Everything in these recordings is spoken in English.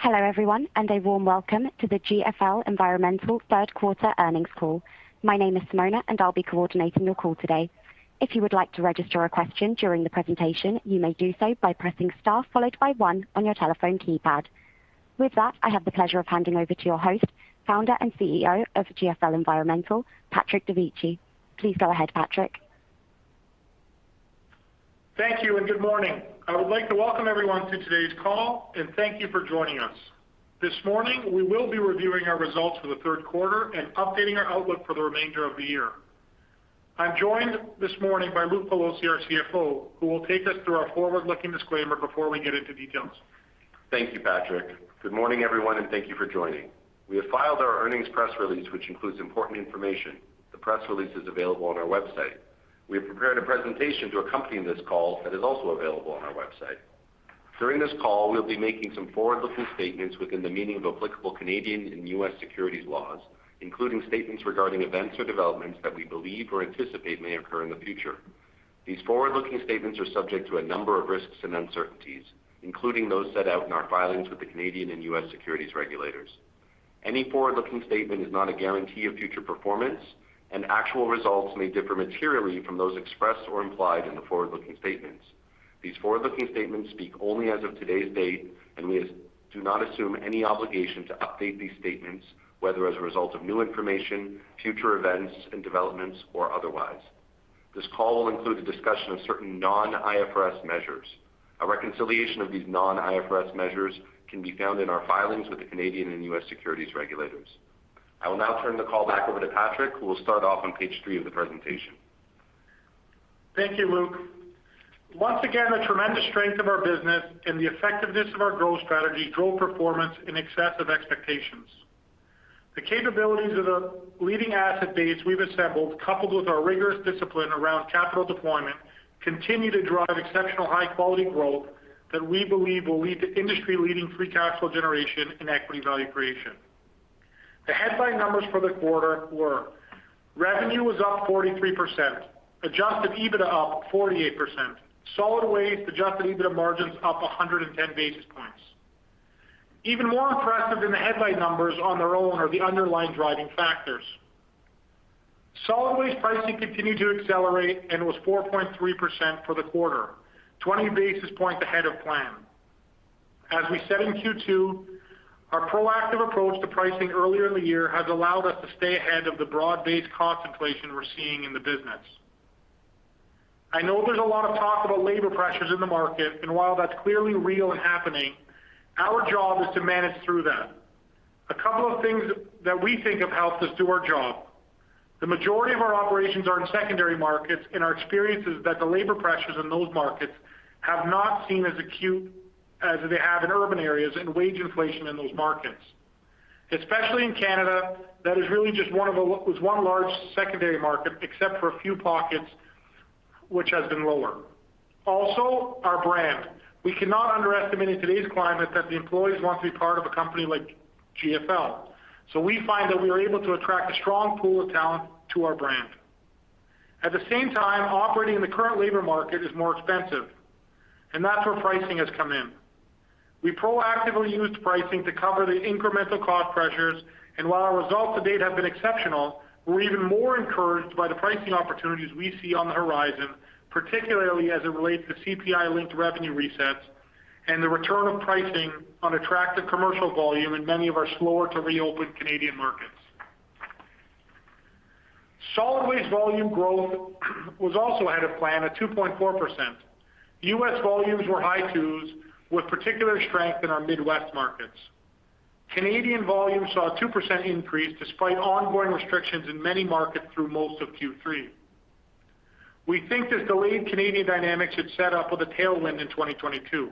Hello, everyone, and a warm welcome to the GFL Environmental third quarter earnings call. My name is Simona, and I'll be coordinating your call today. If you would like to register a question during the presentation, you may do so by pressing star followed by one on your telephone keypad. With that, I have the pleasure of handing over to your host, founder and CEO of GFL Environmental, Patrick Dovigi. Please go ahead, Patrick. Thank you and good morning. I would like to welcome everyone to today's call and thank you for joining us. This morning, we will be reviewing our results for the third quarter and updating our outlook for the remainder of the year. I'm joined this morning by Luke Pelosi, our CFO, who will take us through our forward-looking disclaimer before we get into details. Thank you, Patrick. Good morning, everyone, and thank you for joining. We have filed our earnings press release, which includes important information. The press release is available on our website. We have prepared a presentation to accompany this call that is also available on our website. During this call, we'll be making some forward-looking statements within the meaning of applicable Canadian and U.S. securities laws, including statements regarding events or developments that we believe or anticipate may occur in the future. These forward-looking statements are subject to a number of risks and uncertainties, including those set out in our filings with the Canadian and U.S. securities regulators. Any forward-looking statement is not a guarantee of future performance, and actual results may differ materially from those expressed or implied in the forward-looking statements. These forward-looking statements speak only as of today's date, and we do not assume any obligation to update these statements, whether as a result of new information, future events and developments, or otherwise. This call will include a discussion of certain non-IFRS measures. A reconciliation of these non-IFRS measures can be found in our filings with the Canadian and U.S. securities regulators. I will now turn the call back over to Patrick, who will start off on page three of the presentation. Thank you, Luke. Once again, the tremendous strength of our business and the effectiveness of our growth strategy drove performance in excess of expectations. The capabilities of the leading asset base we've assembled, coupled with our rigorous discipline around capital deployment, continue to drive exceptional high-quality growth that we believe will lead to industry-leading free cash flow generation and equity value creation. The headline numbers for the quarter were revenue was up 43%, adjusted EBITDA up 48%. Solid waste adjusted EBITDA margins up 110 basis points. Even more impressive than the headline numbers on their own are the underlying driving factors. Solid waste pricing continued to accelerate and was 4.3% for the quarter, 20 basis points ahead of plan. As we said in Q2, our proactive approach to pricing earlier in the year has allowed us to stay ahead of the broad-based cost inflation we're seeing in the business. I know there's a lot of talk about labor pressures in the market, and while that's clearly real and happening, our job is to manage through that. A couple of things that we think have helped us do our job. The majority of our operations are in secondary markets, and our experience is that the labor pressures in those markets have not been as acute as they have in urban areas and wage inflation in those markets. Especially in Canada, that is really just one large secondary market, except for a few pockets, which has been lower. Also, our brand. We cannot underestimate in today's climate that the employees want to be part of a company like GFL. We find that we are able to attract a strong pool of talent to our brand. At the same time, operating in the current labor market is more expensive, and that's where pricing has come in. We proactively used pricing to cover the incremental cost pressures, and while our results to date have been exceptional, we're even more encouraged by the pricing opportunities we see on the horizon, particularly as it relates to CPI-linked revenue resets and the return of pricing on attractive commercial volume in many of our slower-to-reopen Canadian markets. Solid waste volume growth was also ahead of plan at 2.4%. U.S. volumes were high 2s%, with particular strength in our Midwest markets. Canadian volumes saw a 2% increase despite ongoing restrictions in many markets through most of Q3. We think this delayed Canadian dynamics should set up with a tailwind in 2022.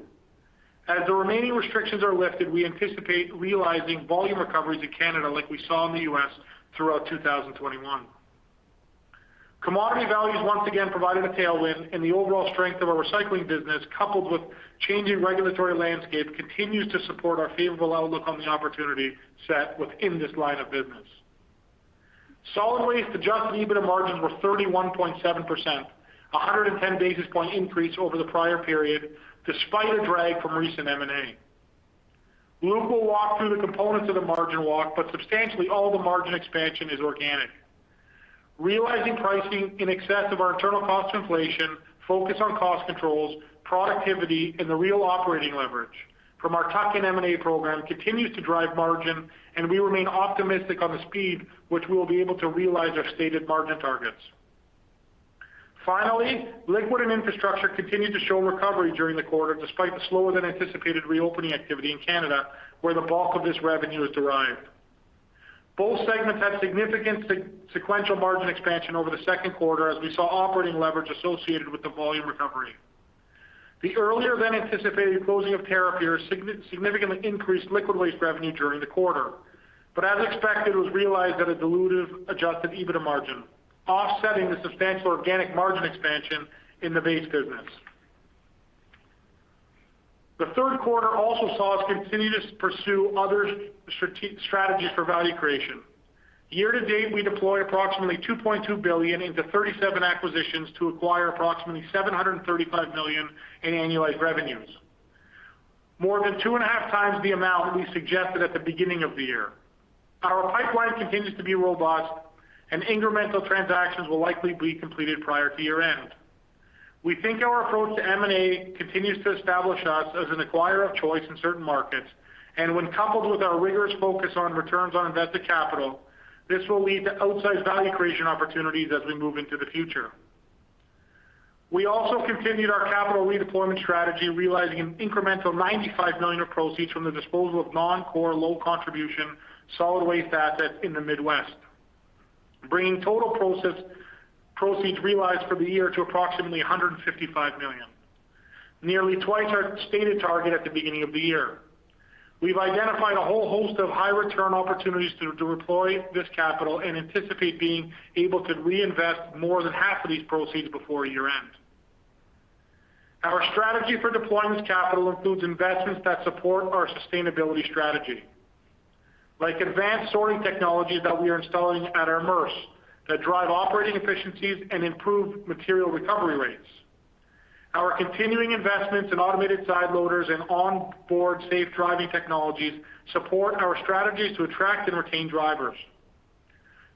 As the remaining restrictions are lifted, we anticipate realizing volume recoveries in Canada like we saw in the U.S. throughout 2021. Commodity values once again provided a tailwind, and the overall strength of our recycling business, coupled with changing regulatory landscape, continues to support our favorable outlook on the opportunity set within this line of business. Solid waste adjusted EBITDA margins were 31.7%, a 110 basis points increase over the prior period, despite a drag from recent M&A. Luke will walk through the components of the margin walk, but substantially all the margin expansion is organic. Realizing pricing in excess of our internal cost inflation, focus on cost controls, productivity, and the real operating leverage from our tuck-in M&A program continues to drive margin, and we remain optimistic on the speed which we'll be able to realize our stated margin targets. Liquid and Infrastructure continued to show recovery during the quarter, despite the slower-than-anticipated reopening activity in Canada, where the bulk of this revenue is derived. Both segments had significant sequential margin expansion over the second quarter as we saw operating leverage associated with the volume recovery. The earlier-than-anticipated closing of tariff years significantly increased liquid waste revenue during the quarter, but as expected, it was realized at a dilutive adjusted EBITDA margin, offsetting the substantial organic margin expansion in the base business. The third quarter also saw us continue to pursue other strategies for value creation. Year-to-date, we deployed approximately $2.2 billion into 37 acquisitions to acquire approximately $735 million in annualized revenues, more than 2.5x the amount we suggested at the beginning of the year. Our pipeline continues to be robust, and incremental transactions will likely be completed prior to year-end. We think our approach to M&A continues to establish us as an acquirer of choice in certain markets, and when coupled with our rigorous focus on returns on invested capital, this will lead to outsized value creation opportunities as we move into the future. We continued our capital redeployment strategy, realizing an incremental 95 million of proceeds from the disposal of non-core, low-contribution, solid waste assets in the Midwest, bringing total proceeds realized for the year to approximately 155 million, nearly twice our stated target at the beginning of the year. We've identified a whole host of high-return opportunities to deploy this capital and anticipate being able to reinvest more than half of these proceeds before year-end. Our strategy for deploying this capital includes investments that support our sustainability strategy, like advanced sorting technologies that we are installing at our MRFs that drive operating efficiencies and improve material recovery rates. Our continuing investments in automated side loaders and onboard safe driving technologies support our strategies to attract and retain drivers.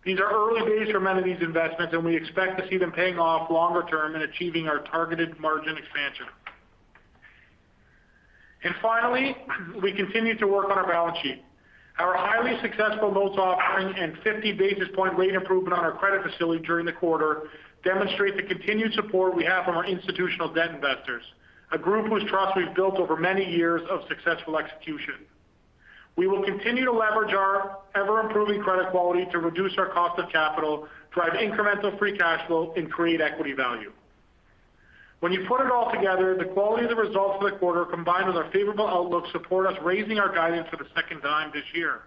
These are early days for many of these investments, and we expect to see them paying off longer term in achieving our targeted margin expansion. Finally, we continue to work on our balance sheet. Our highly successful notes offering and 50 basis point rate improvement on our credit facility during the quarter demonstrate the continued support we have from our institutional debt investors, a group whose trust we've built over many years of successful execution. We will continue to leverage our ever-improving credit quality to reduce our cost of capital, drive incremental free cash flow, and create equity value. When you put it all together, the quality of the results for the quarter, combined with our favorable outlook, support us raising our guidance for the second time this year.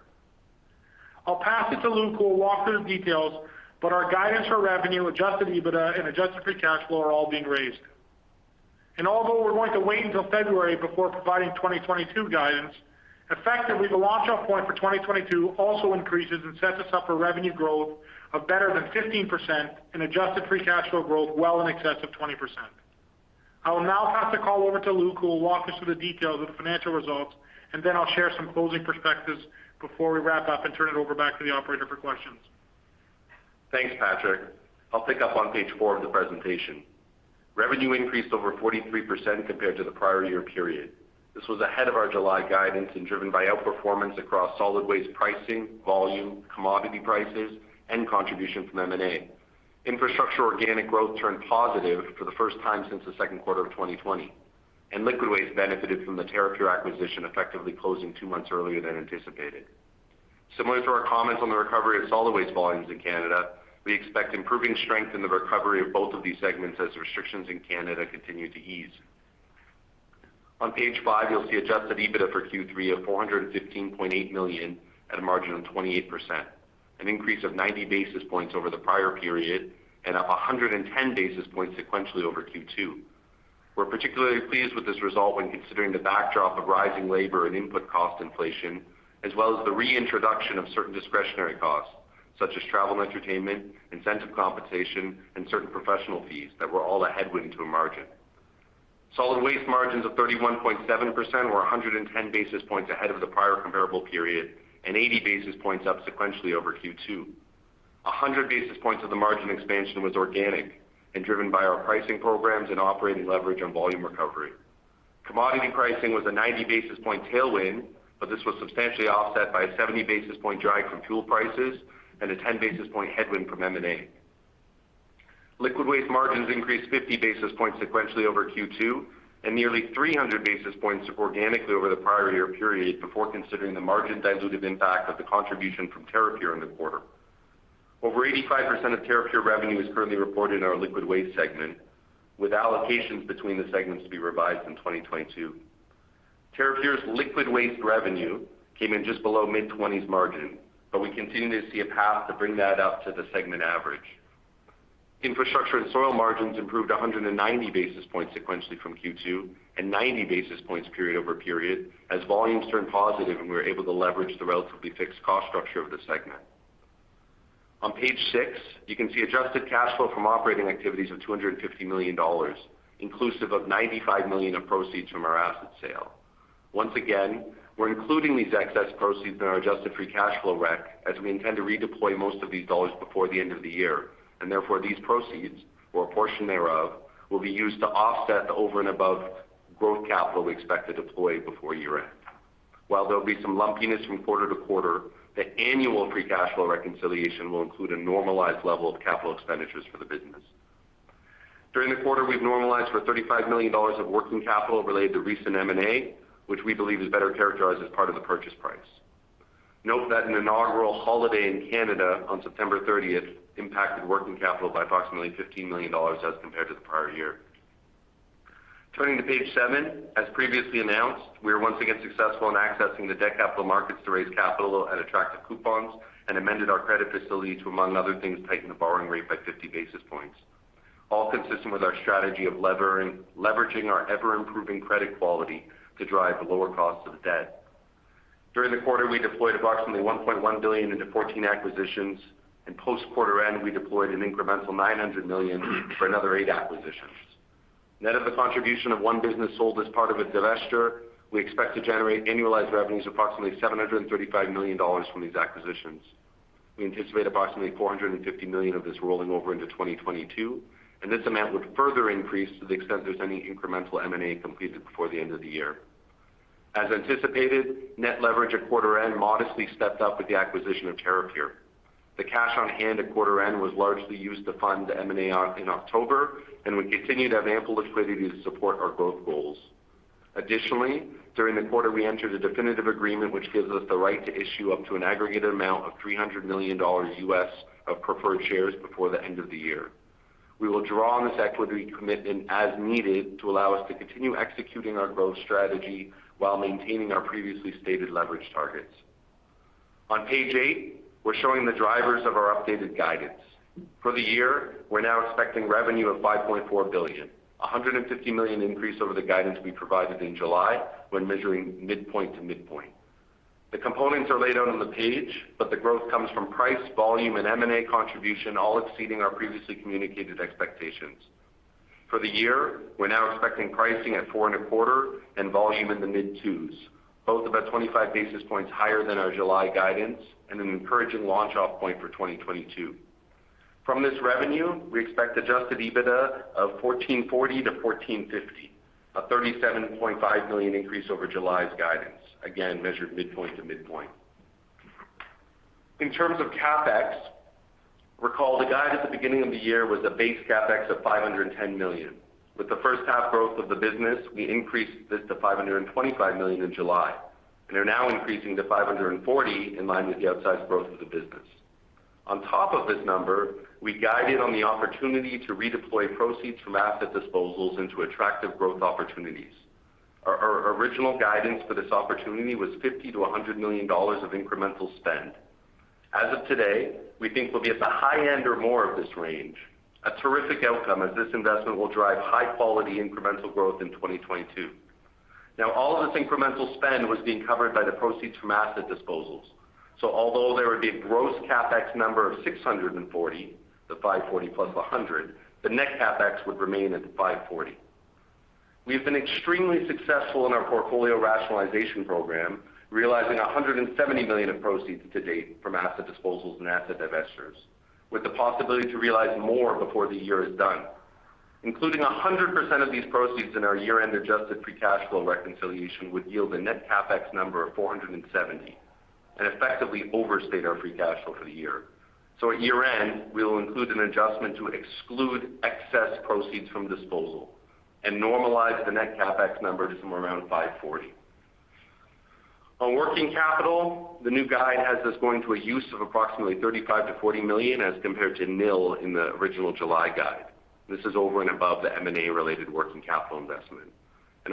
I'll pass it to Luke, who will walk through the details, but our guidance for revenue, adjusted EBITDA, and adjusted free cash flow are all being raised. Although we're going to wait until February before providing 2022 guidance, effectively, the launch-off point for 2022 also increases and sets us up for revenue growth of better than 15% and adjusted free cash flow growth well in excess of 20%. I will now pass the call over to Luke, who will walk us through the details of the financial results, and then I'll share some closing perspectives before we wrap up and turn it over back to the operator for questions. Thanks, Patrick. I'll pick up on page four of the presentation. Revenue increased over 43% compared to the prior year period. This was ahead of our July guidance and driven by outperformance across solid waste pricing, volume, commodity prices, and contribution from M&A. Infrastructure organic growth turned positive for the first time since the second quarter of 2020, and liquid waste benefited from the Terrapure acquisition effectively closing two months earlier than anticipated. Similar to our comments on the recovery of solid waste volumes in Canada, we expect improving strength in the recovery of both of these segments as restrictions in Canada continue to ease. On page five, you'll see adjusted EBITDA for Q3 of 415.8 million at a margin of 28%, an increase of 90 basis points over the prior period and up 110 basis points sequentially over Q2. We're particularly pleased with this result when considering the backdrop of rising labor and input cost inflation, as well as the reintroduction of certain discretionary costs, such as travel and entertainment, incentive compensation, and certain professional fees that were all a headwind to a margin. Solid waste margins of 31.7% were 110 basis points ahead of the prior comparable period and 80 basis points up sequentially over Q2. 100 basis points of the margin expansion was organic and driven by our pricing programs and operating leverage on volume recovery. Commodity pricing was a 90 basis point tailwind, but this was substantially offset by a 70 basis point drag from fuel prices and a 10 basis point headwind from M&A. Liquid waste margins increased 50 basis points sequentially over Q2 and nearly 300 basis points organically over the prior year period before considering the margin-dilutive impact of the contribution from Terrapure in the quarter. Over 85% of Terrapure revenue is currently reported in our liquid waste segment, with allocations between the segments to be revised in 2022. Terrapure's liquid waste revenue came in just below mid-20s margin, but we continue to see a path to bring that up to the segment average. Infrastructure and soil margins improved 190 basis points sequentially from Q2 and 90 basis points period-over-period as volumes turned positive, and we were able to leverage the relatively fixed cost structure of the segment. On page six, you can see adjusted cash flow from operating activities of $250 million, inclusive of $95 million of proceeds from our asset sale. Once again, we're including these excess proceeds in our adjusted free cash flow rec as we intend to redeploy most of these dollars before the end of the year, and therefore, these proceeds or a portion thereof will be used to offset the over-and-above growth capital we expect to deploy before year-end. While there'll be some lumpiness from quarter to quarter, the annual free cash flow reconciliation will include a normalized level of capital expenditures for the business. During the quarter, we've normalized for $35 million of working capital related to recent M&A, which we believe is better characterized as part of the purchase price. Note that an inaugural holiday in Canada on September 30 impacted working capital by approximately $15 million as compared to the prior year. Turning to page seven, as previously announced, we are once again successful in accessing the debt capital markets to raise capital at attractive coupons and amended our credit facility to, among other things, tighten the borrowing rate by 50 basis points. All consistent with our strategy of leveraging our ever-improving credit quality to drive the lower cost of debt. During the quarter, we deployed approximately $1.1 billion into 14 acquisitions, and post-quarter end, we deployed an incremental $900 million for another eight acquisitions. Net of the contribution of one business sold as part of a divestiture, we expect to generate annualized revenues of approximately $735 million from these acquisitions. We anticipate approximately $450 million of this rolling over into 2022, and this amount would further increase to the extent there's any incremental M&A completed before the end of the year. As anticipated, net leverage at quarter end modestly stepped up with the acquisition of Terrapure. The cash on hand at quarter end was largely used to fund the M&A in October, and we continue to have ample liquidity to support our growth goals. Additionally, during the quarter, we entered a definitive agreement, which gives us the right to issue up to an aggregate amount of $300 million U.S. of preferred shares before the end of the year. We will draw on this equity commitment as needed to allow us to continue executing our growth strategy while maintaining our previously stated leverage targets. On page eight, we're showing the drivers of our updated guidance. For the year, we're now expecting revenue of 5.4 billion, 150 million increase over the guidance we provided in July when measuring midpoint to midpoint. The components are laid out on the page, but the growth comes from price, volume, and M&A contribution, all exceeding our previously communicated expectations. For the year, we're now expecting pricing at 4.25% and volume in the mid-2s%, both about 25 basis points higher than our July guidance and an encouraging launch off point for 2022. From this revenue, we expect adjusted EBITDA of 1,440-1,450, a 37.5 million increase over July's guidance, again, measured midpoint to midpoint. In terms of CapEx, recall the guide at the beginning of the year was a base CapEx of 510 million. With the H1 growth of the business, we increased this to 525 million in July and are now increasing to 540 million in line with the outsized growth of the business. On top of this number, we guided on the opportunity to redeploy proceeds from asset disposals into attractive growth opportunities. Our original guidance for this opportunity was 50 million-100 million dollars of incremental spend. As of today, we think we'll be at the high end or more of this range, a terrific outcome as this investment will drive high-quality incremental growth in 2022. Now, all of this incremental spend was being covered by the proceeds from asset disposals. Although there would be a gross CapEx number of 640, the 540+ the 100, the net CapEx would remain at 540. We have been extremely successful in our portfolio rationalization program, realizing 170 million of proceeds to date from asset disposals and asset divestitures, with the possibility to realize more before the year is done. Including 100% of these proceeds in our year-end adjusted free cash flow reconciliation would yield a net CapEx number of 470 and effectively overstate our free cash flow for the year. At year-end, we'll include an adjustment to exclude excess proceeds from disposal and normalize the net CapEx number to somewhere around 540 million. On working capital, the new guide has us going to a use of approximately 35-40 million as compared to nil in the original July guide. This is over and above the M&A-related working capital investment.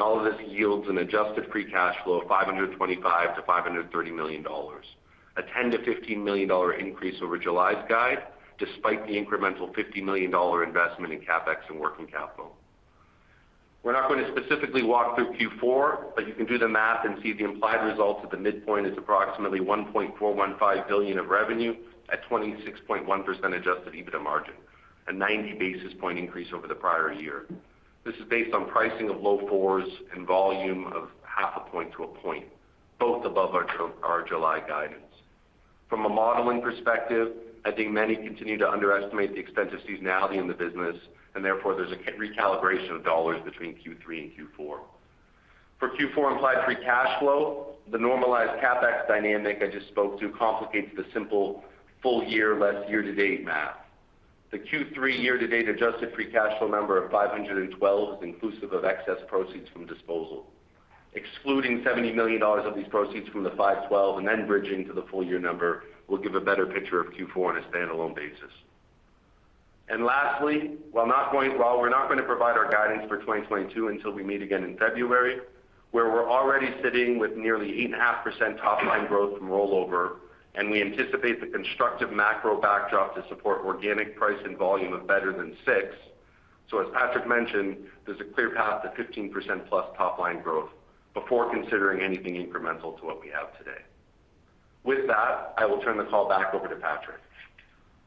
All of this yields an adjusted free cash flow of 525-530 million dollars, a 10-15 million dollar increase over July's guide, despite the incremental 50 million dollar investment in CapEx and working capital. We're not going to specifically walk through Q4, but you can do the math and see the implied results at the midpoint is approximately $1.415 billion of revenue at 26.1% adjusted EBITDA margin, a 90 basis point increase over the prior year. This is based on pricing of low fours and volume of 0.5%-1%, both above our July guidance. From a modeling perspective, I think many continue to underestimate the extent of seasonality in the business, and therefore, there's a recalibration of dollars between Q3 and Q4. For Q4 implied free cash flow, the normalized CapEx dynamic I just spoke to complicates the simple full year less year-to-date math. The Q3 year-to-date adjusted free cash flow number of $512 million is inclusive of excess proceeds from disposal. Excluding $70 million of these proceeds from the 512 and then bridging to the full year number will give a better picture of Q4 on a standalone basis. Lastly, while we're not gonna provide our guidance for 2022 until we meet again in February, where we're already sitting with nearly 8.5% top-line growth from rollover, and we anticipate the constructive macro backdrop to support organic price and volume of better than 6%. As Patrick mentioned, there's a clear path to 15%+ top-line growth before considering anything incremental to what we have today. With that, I will turn the call back over to Patrick.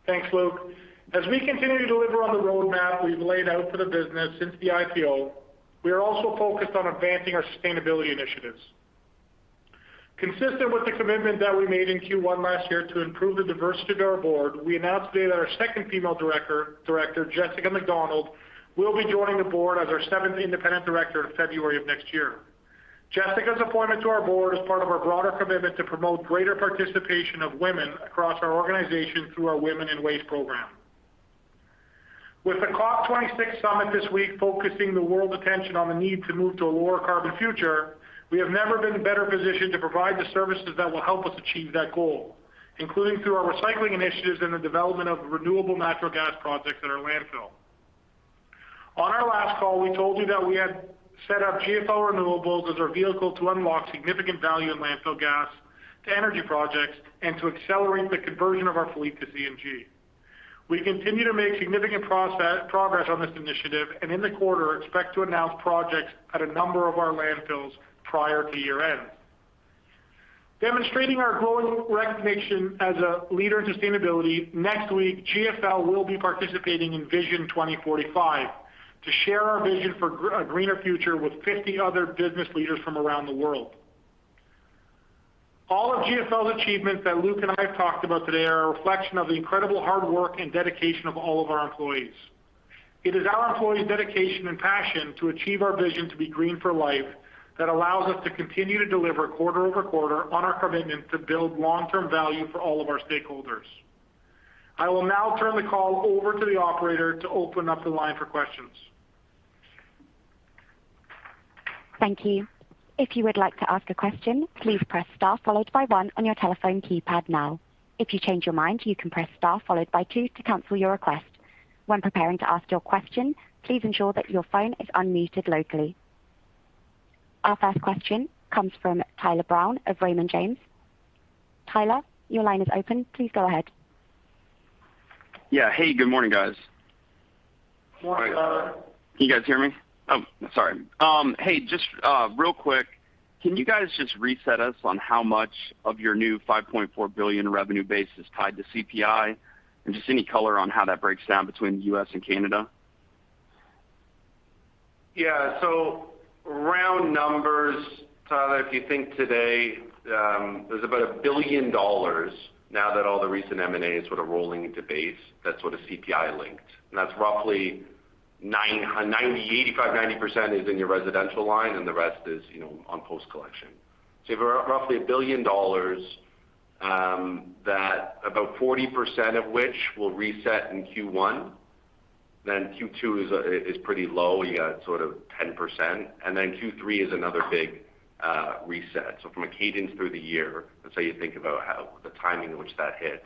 Thanks, Luke. As we continue to deliver on the roadmap we've laid out for the business since the IPO, we are also focused on advancing our sustainability initiatives. Consistent with the commitment that we made in Q1 last year to improve the diversity of our board, we announced today that our second female director, Director Jessica McDonald, will be joining the board as our seventh independent director in February of next year. Jessica's appointment to our board is part of our broader commitment to promote greater participation of women across our organization through our Women in Waste program. With the COP26 summit this week focusing the world's attention on the need to move to a lower carbon future, we have never been better positioned to provide the services that will help us achieve that goal, including through our recycling initiatives and the development of renewable natural gas projects at our landfill. On our last call, we told you that we had set up GFL Renewables as our vehicle to unlock significant value in landfill gas to energy projects and to accelerate the conversion of our fleet to CNG. We continue to make significant progress on this initiative, and in the quarter expect to announce projects at a number of our landfills prior to year-end. Demonstrating our growing recognition as a leader in sustainability, next week, GFL will be participating in Vision 2045 to share our vision for a greener future with 50 other business leaders from around the world. All of GFL's achievements that Luke and I have talked about today are a reflection of the incredible hard work and dedication of all of our employees. It is our employees' dedication and passion to achieve our vision to be green for life that allows us to continue to deliver quarter-over-quarter on our commitment to build long-term value for all of our stakeholders. I will now turn the call over to the operator to open up the line for questions. Thank you. If you would like to ask a question, please press star followed by one on your telephone keypad now. If you change your mind, you can press star followed by two to cancel your request. When preparing to ask your question, please ensure that your phone is unmuted locally. Our first question comes from Tyler Brown of Raymond James. Tyler, your line is open. Please go ahead. Yeah. Hey, good morning, guys. Good morning. Can you guys hear me? Hey, just real quick, can you guys just reset us on how much of your new 5.4 billion revenue base is tied to CPI? Just any color on how that breaks down between U.S. and Canada. Yeah. Round numbers, Tyler, if you think today, there's about $1 billion now that all the recent M&As sort of rolling into base, that's sort of CPI linked. That's roughly 85%-90% is in your residential line, and the rest is, you know, on post collection. You've roughly $1 billion, that about 40% of which will reset in Q1, then Q2 is pretty low. You got sort of 10%, and then Q3 is another big reset. From a cadence through the year, that's how you think about how the timing in which that hits.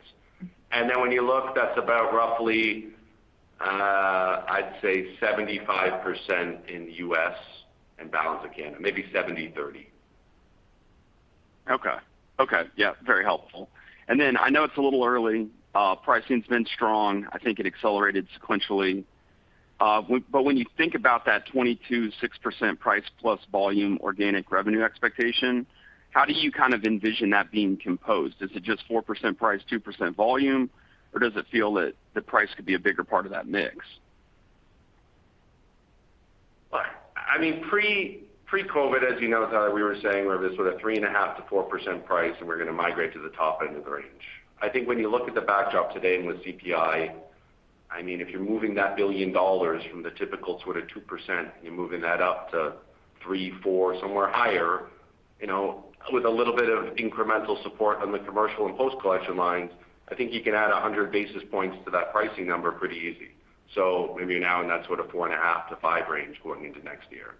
Then when you look, that's about roughly, I'd say 75% in the U.S. and balance of Canada, maybe 70/30. Okay. Yeah, very helpful. I know it's a little early, pricing's been strong. I think it accelerated sequentially. But when you think about that 26% price plus volume organic revenue expectation, how do you kind of envision that being composed? Is it just 4% price, 2% volume, or does it feel that the price could be a bigger part of that mix? I mean, pre-COVID, as you know, Tyler, we were saying we're sort of 3.5%-4% price, and we're gonna migrate to the top end of the range. I think when you look at the backdrop today and with CPI, I mean, if you're moving that $1 billion from the typical sort of 2%, you're moving that up to 3%, 4%, somewhere higher, you know, with a little bit of incremental support on the commercial and post collection lines, I think you can add 100 basis points to that pricing number pretty easy. Maybe now in that sort of 4.5%-5% range going into next year.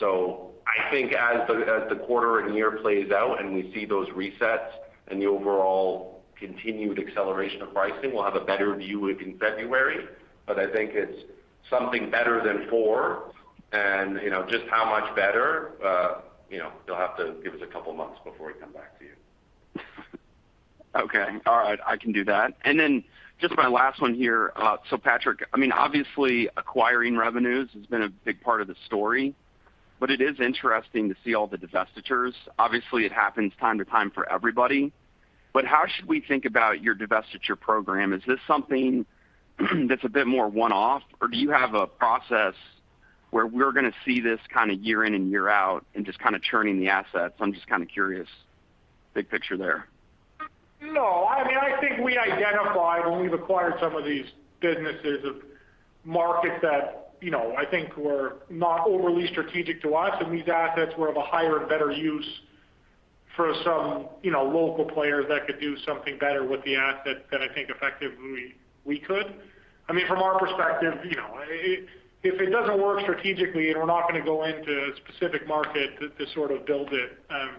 I think as the quarter and year plays out and we see those resets and the overall continued acceleration of pricing, we'll have a better view in February. I think it's something better than four. You know, just how much better, you know, you'll have to give us a couple of months before we come back to you. Okay. All right. I can do that. Just my last one here. Patrick, I mean, obviously acquisitions has been a big part of the story, but it is interesting to see all the divestitures. Obviously, it happens from time to time for everybody. How should we think about your divestiture program? Is this something that's a bit more one-off, or do you have a process where we're gonna see this kinda year in and year out and just kinda churning the assets? I'm just kinda curious. Big picture there. No, I mean, I think we identified when we've acquired some of these businesses of markets that, you know, I think were not overly strategic to us, and these assets were of a higher and better use for some, you know, local players that could do something better with the asset than I think effectively we could. I mean, from our perspective, you know, if it doesn't work strategically and we're not gonna go into a specific market to sort of build it, and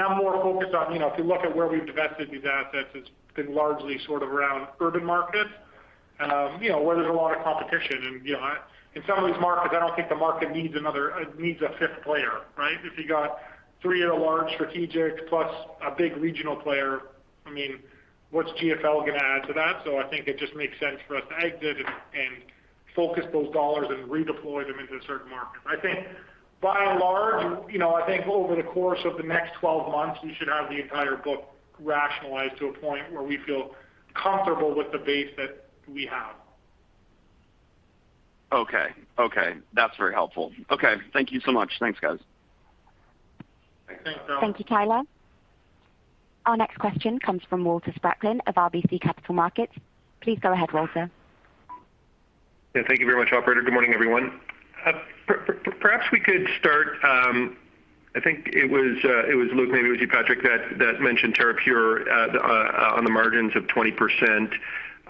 I'm more focused on, you know, if you look at where we've divested these assets, it's been largely sort of around urban markets, you know, where there's a lot of competition. You know, in some of these markets, I don't think the market needs a fifth player, right? If you got three other large strategic plus a big regional player, I mean, what's GFL gonna add to that? I think it just makes sense for us to exit and focus those dollars and redeploy them into certain markets. I think by and large, you know, I think over the course of the next 12 months, we should have the entire book rationalized to a point where we feel comfortable with the base that we have. Okay. That's very helpful. Okay. Thank you so much. Thanks, guys. Thanks, Tyler. Thank you, Tyler. Our next question comes from Walter Spracklin of RBC Capital Markets. Please go ahead, Walter. Yeah, thank you very much, operator. Good morning, everyone. Perhaps we could start. I think it was Luke, maybe it was you, Patrick, that mentioned Terrapure on the margins of 20%,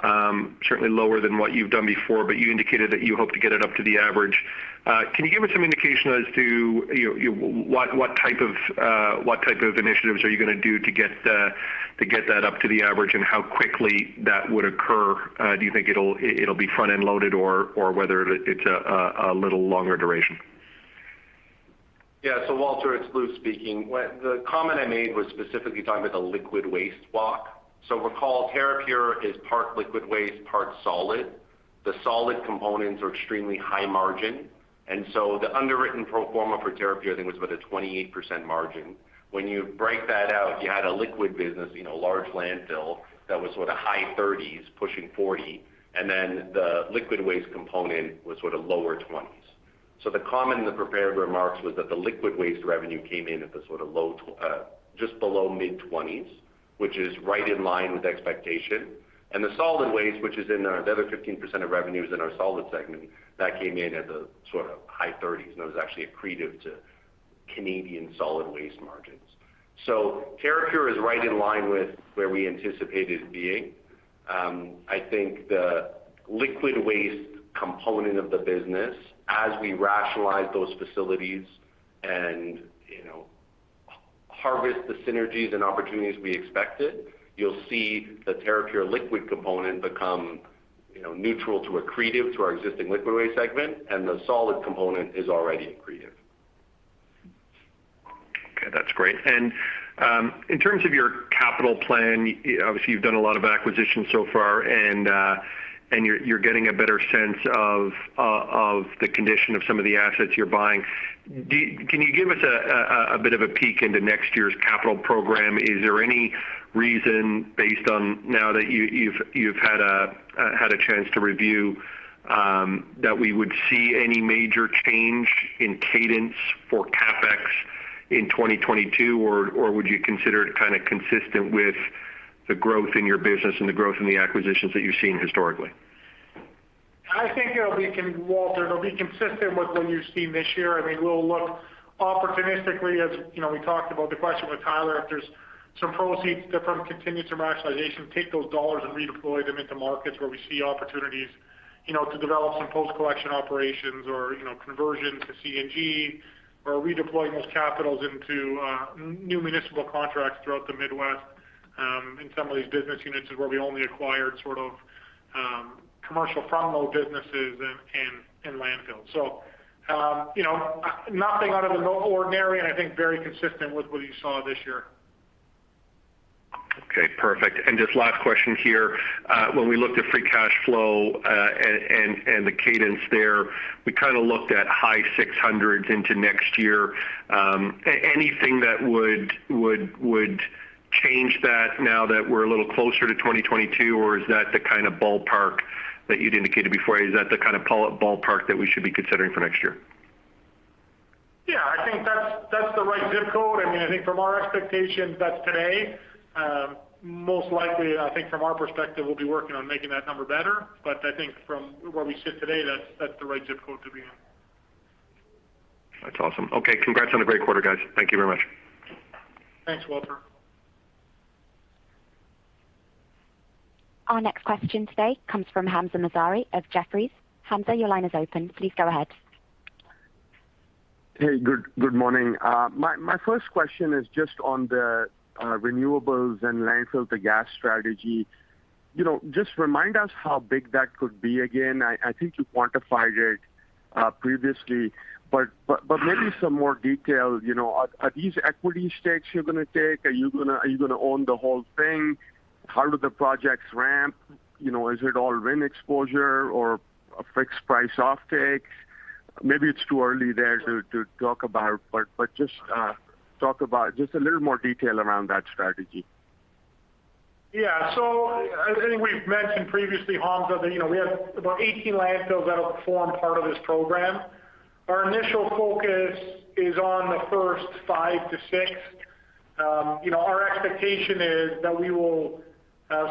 certainly lower than what you've done before, but you indicated that you hope to get it up to the average. Can you give us some indication as to, you know, what type of initiatives are you gonna do to get that up to the average? And how quickly that would occur? Do you think it'll be front-end loaded or whether it's a little longer duration? Yeah. Walter, it's Luke speaking. The comment I made was specifically talking about the liquid waste walk. Recall Terrapure is part liquid waste, part solid. The solid components are extremely high margin, and so the underwritten pro forma for Terrapure, I think, was about a 28% margin. When you break that out, you had a liquid business, you know, large landfill that was sort of high 30s pushing 40, and then the liquid waste component was sort of lower 20s. The comment in the prepared remarks was that the liquid waste revenue came in at the sort of low 20s, just below mid-20s, which is right in line with expectation. The solid waste, which is the other 15% of revenues in our solid segment, that came in at the sort of high 30s%, and it was actually accretive to Canadian solid waste margins. Terrapure is right in line with where we anticipated it being. I think the liquid waste component of the business as we rationalize those facilities and, you know, harvest the synergies and opportunities we expected, you'll see the Terrapure liquid component become, you know, neutral to accretive to our existing liquid waste segment, and the solid component is already accretive. Okay. That's great. In terms of your capital plan, obviously you've done a lot of acquisitions so far and you're getting a better sense of the condition of some of the assets you're buying. Can you give us a bit of a peek into next year's capital program? Is there any reason based on now that you've had a chance to review that we would see any major change in cadence for CapEx in 2022? Would you consider it kind of consistent with the growth in your business and the growth in the acquisitions that you've seen historically? I think it'll be, Walter, it'll be consistent with what you've seen this year. I mean, we'll look opportunistically as, you know, we talked about the question with Tyler. If there's some proceeds from continued some rationalization, take those dollars and redeploy them into markets where we see opportunities, you know, to develop some post-collection operations or, you know, conversion to CNG or redeploying those capital into new municipal contracts throughout the Midwest, in some of these business units is where we only acquired sort of commercial front load businesses and landfills. You know, nothing out of the ordinary, and I think very consistent with what you saw this year. Okay. Perfect. Just last question here. When we looked at free cash flow and the cadence there, we kinda looked at high 600 into next year. Anything that would change that now that we're a little closer to 2022, or is that the kind of ballpark that you'd indicated before? Is that the kind of ballpark that we should be considering for next year? Yeah, I think that's the right ZIP code. I mean, I think from our expectations, that's today. Most likely, I think from our perspective, we'll be working on making that number better. But I think from where we sit today, that's the right ZIP code to be in. That's awesome. Okay. Congrats on a great quarter, guys. Thank you very much. Thanks, Walter. Our next question today comes from Hamzah Mazari of Jefferies. Hamzah, your line is open. Please go ahead. Hey. Good morning. My first question is just on the renewables and landfill gas strategy. You know, just remind us how big that could be again. I think you quantified it previously, but maybe some more detail. You know, are these equity stakes you're gonna take? Are you gonna own the whole thing? How do the projects ramp? You know, is it all RIN exposure or a fixed price offtake? Maybe it's too early there to talk about, but just talk about just a little more detail around that strategy. Yeah. I think we've mentioned previously, Hamzah, that, you know, we have about 18 landfills that'll form part of this program. Our initial focus is on the first five to six. You know, our expectation is that we will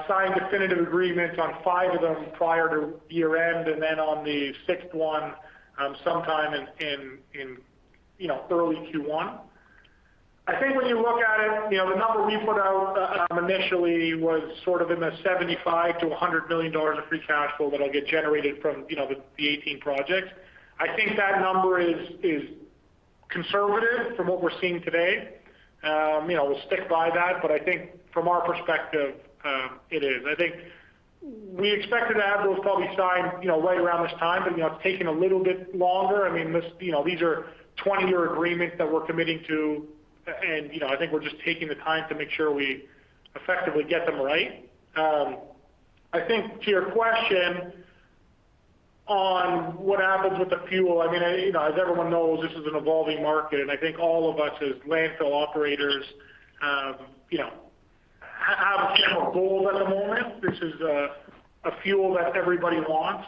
sign definitive agreements on five of them prior to year-end and then on the sixth one, sometime in early Q1. I think when you look at it, you know, the number we put out initially was sort of in the $75 million-$100 million of free cash flow that'll get generated from the 18 projects. I think that number is conservative from what we're seeing today. You know, we'll stick by that, but I think from our perspective, it is. I think we expected to have those probably signed, you know, right around this time, but, you know, it's taken a little bit longer. I mean, you know, these are 20-year agreements that we're committing to and, you know, I think we're just taking the time to make sure we effectively get them right. I think to your question on what happens with the fuel, I mean, you know, as everyone knows, this is an evolving market, and I think all of us as landfill operators, you know, have gold at the moment. This is a fuel that everybody wants.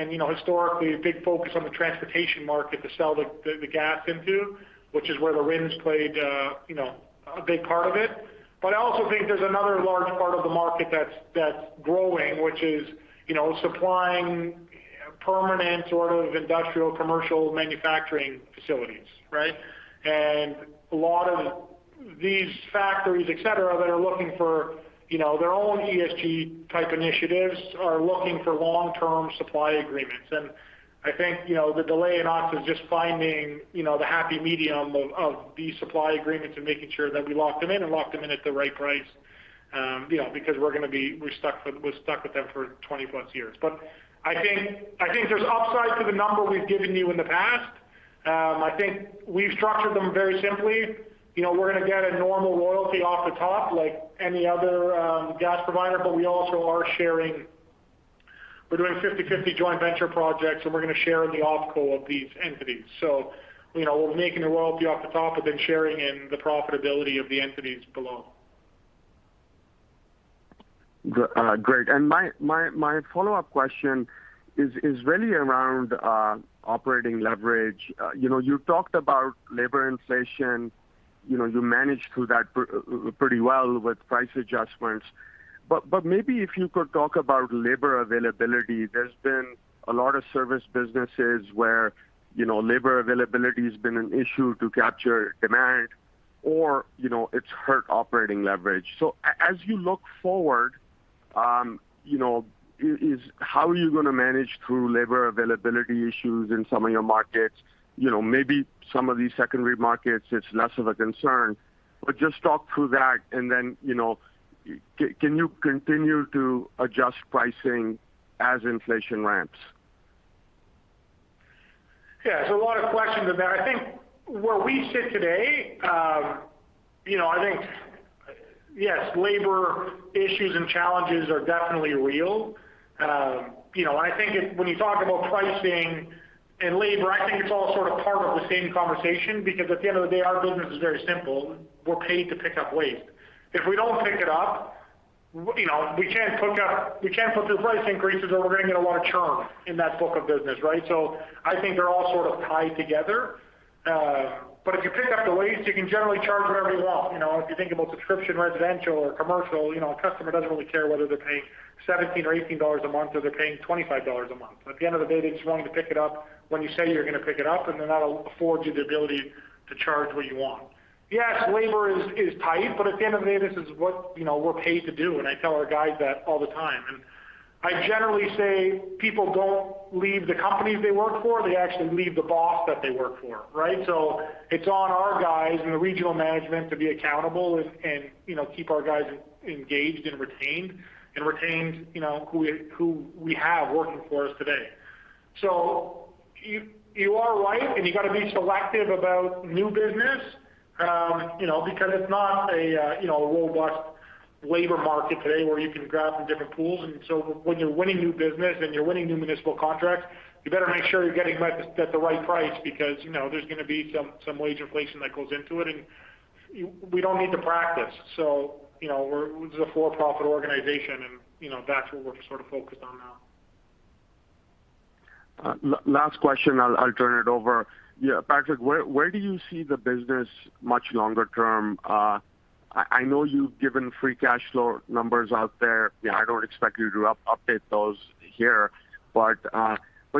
You know, historically, a big focus on the transportation market to sell the gas into, which is where the RINs played, you know, a big part of it. I also think there's another large part of the market that's growing, which is, you know, supplying permanent sort of industrial commercial manufacturing facilities, right? A lot of these factories, et cetera, that are looking for, you know, their own ESG type initiatives are looking for long-term supply agreements. I think, you know, the delay in opcos is just finding, you know, the happy medium of these supply agreements and making sure that we lock them in and lock them in at the right price, you know, because we're gonna be stuck with them for 20+ years. I think there's upside to the number we've given you in the past. I think we've structured them very simply. You know, we're gonna get a normal royalty off the top like any other gas provider, but we also are sharing. We're doing 50/50 joint venture projects, and we're gonna share in the opco of these entities. You know, we're making a royalty off the top, but then sharing in the profitability of the entities below. Great. My follow-up question is really around operating leverage. You know, you talked about labor inflation. You know, you managed through that pretty well with price adjustments. Maybe if you could talk about labor availability. There's been a lot of service businesses where, you know, labor availability has been an issue to capture demand or, you know, it's hurt operating leverage. As you look forward, you know, how are you gonna manage through labor availability issues in some of your markets? You know, maybe some of these secondary markets, it's less of a concern. Just talk through that, and then, you know, can you continue to adjust pricing as inflation ramps? Yeah. A lot of questions in there. I think where we sit today, you know, I think, yes, labor issues and challenges are definitely real. You know, and I think when you talk about pricing and labor, I think it's all sort of part of the same conversation because at the end of the day, our business is very simple. We're paid to pick up waste. If we don't pick it up, you know, we can't put through price increases or we're gonna get a lot of churn in that book of business, right? I think they're all sort of tied together. But if you pick up the waste, you can generally charge whatever you want. You know, if you think about subscription residential or commercial, you know, a customer doesn't really care whether they're paying $17 or $18 a month or they're paying $25 a month. At the end of the day, they just want you to pick it up when you say you're gonna pick it up, and that affords you the ability to charge what you want. Yes, labor is tight, but at the end of the day, this is what, you know, we're paid to do, and I tell our guys that all the time. I generally say people don't leave the companies they work for. They actually leave the boss that they work for, right? It's on our guys and the regional management to be accountable and, you know, keep our guys engaged and retained, you know, who we have working for us today. You are right, and you gotta be selective about new business, you know, because it's not a, you know, a robust labor market today where you can grab from different pools. When you're winning new business and you're winning new municipal contracts, you better make sure you're getting that at the right price because, you know, there's gonna be some wage inflation that goes into it, and we don't need the practice. You know, this is a for-profit organization, and, you know, that's what we're sort of focused on now. Last question, I'll turn it over. Patrick, where do you see the business much longer term? I know you've given free cash flow numbers out there. You know, I don't expect you to update those here.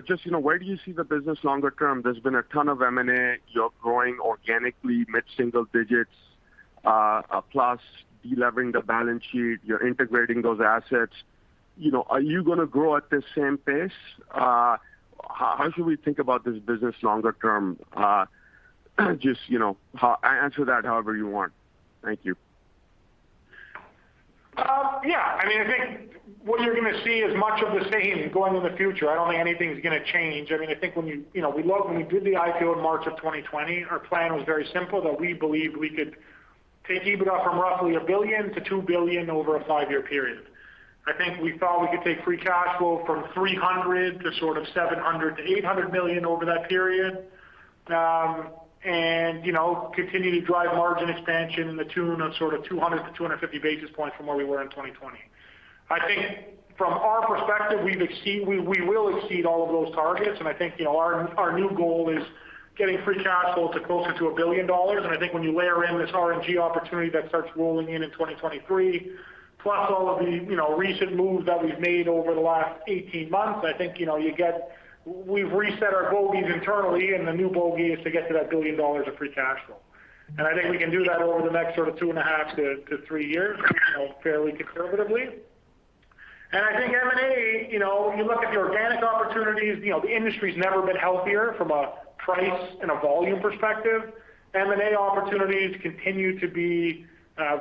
Just, you know, where do you see the business longer term? There's been a ton of M&A. You're growing organically mid-single digits, plus delevering the balance sheet. You're integrating those assets. You know, are you gonna grow at the same pace? How should we think about this business longer term? Just, you know, answer that however you want. Thank you. I mean, I think what you're gonna see is much of the same going in the future. I don't think anything's gonna change. I mean, I think when we did the IPO in March 2020, our plan was very simple, that we believed we could take EBITDA from roughly $1 billion-$2 billion over a five-year period. I think we thought we could take free cash flow from $300 million to sort of $700-$800 million over that period, and, you know, continue to drive margin expansion in the tune of sort of 200-250 basis points from where we were in 2020. I think from our perspective, we will exceed all of those targets. I think, you know, our new goal is getting free cash flow to closer to $1 billion. I think when you layer in this RNG opportunity that starts rolling in in 2023, plus all of the, you know, recent moves that we've made over the last 18 months, I think, you know, you get. We've reset our bogeys internally, and the new bogey is to get to that $1 billion of free cash flow. I think we can do that over the next sort of two and a half to three years, you know, fairly conservatively. I think M&A, you know, you look at the organic opportunities, you know, the industry's never been healthier from a price and a volume perspective. M&A opportunities continue to be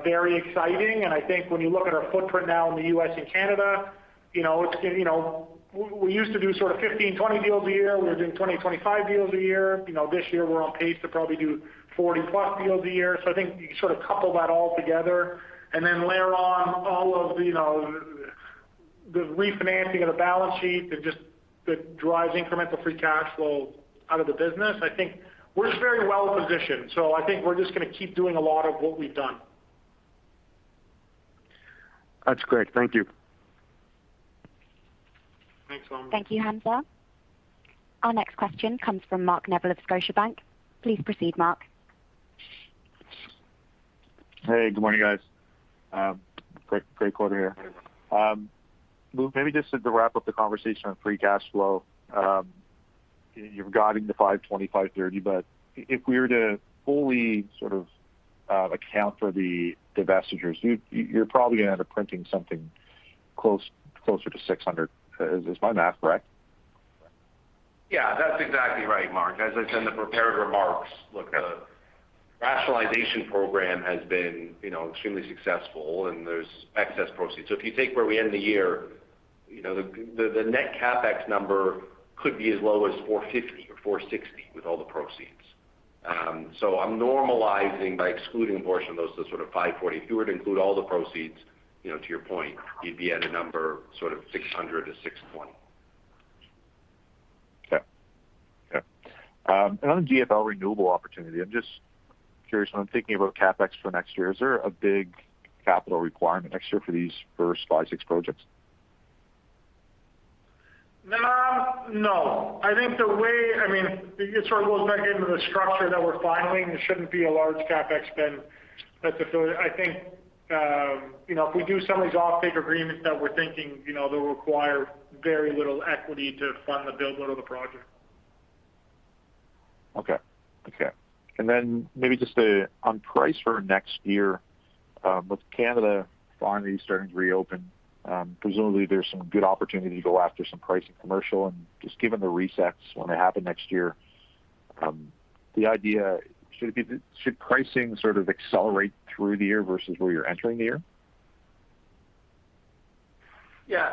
very exciting. I think when you look at our footprint now in the U.S. and Canada, you know, it's you know, we used to do sort of 15-20 deals a year. We were doing 20-25 deals a year. You know, this year we're on pace to probably do 40+ deals a year. I think you can sort of couple that all together and then layer on all of, you know, the refinancing of the balance sheet that drives incremental free cash flow out of the business. I think we're just very well positioned. I think we're just gonna keep doing a lot of what we've done. That's great. Thank you. Thanks, Hamzah. Thank you, Hamzah. Our next question comes from Mark Neville of Scotiabank. Please proceed, Mark. Hey, good morning, guys. Great quarter here. Maybe just to wrap up the conversation on free cash flow. You're guiding the 525-530, but if we were to fully sort of account for the divestitures, you're probably gonna end up printing something closer to 600. Is my math correct? Yeah, that's exactly right, Mark. As I said in the prepared remarks, look, the rationalization program has been, you know, extremely successful, and there's excess proceeds. If you take where we end the year, you know, the net CapEx number could be as low as $450 or $460 with all the proceeds. I'm normalizing by excluding a portion of those to sort of $540. If you were to include all the proceeds, you know, to your point, you'd be at a number sort of $600-$620. Okay. Yeah. Another GFL renewable opportunity. I'm just curious, when I'm thinking about CapEx for next year, is there a big capital requirement next year for these first five, six projects? No. I think, I mean, it sort of goes back into the structure that we're filing. There shouldn't be a large CapEx spend. I think, you know, if we do some of these offtake agreements that we're thinking, you know, they'll require very little equity to fund the build of the project. Okay. Then maybe just on price for next year, with Canada finally starting to reopen, presumably there's some good opportunity to go after some price in commercial. Just given the resets when they happen next year, should pricing sort of accelerate through the year versus where you're entering the year? Yeah.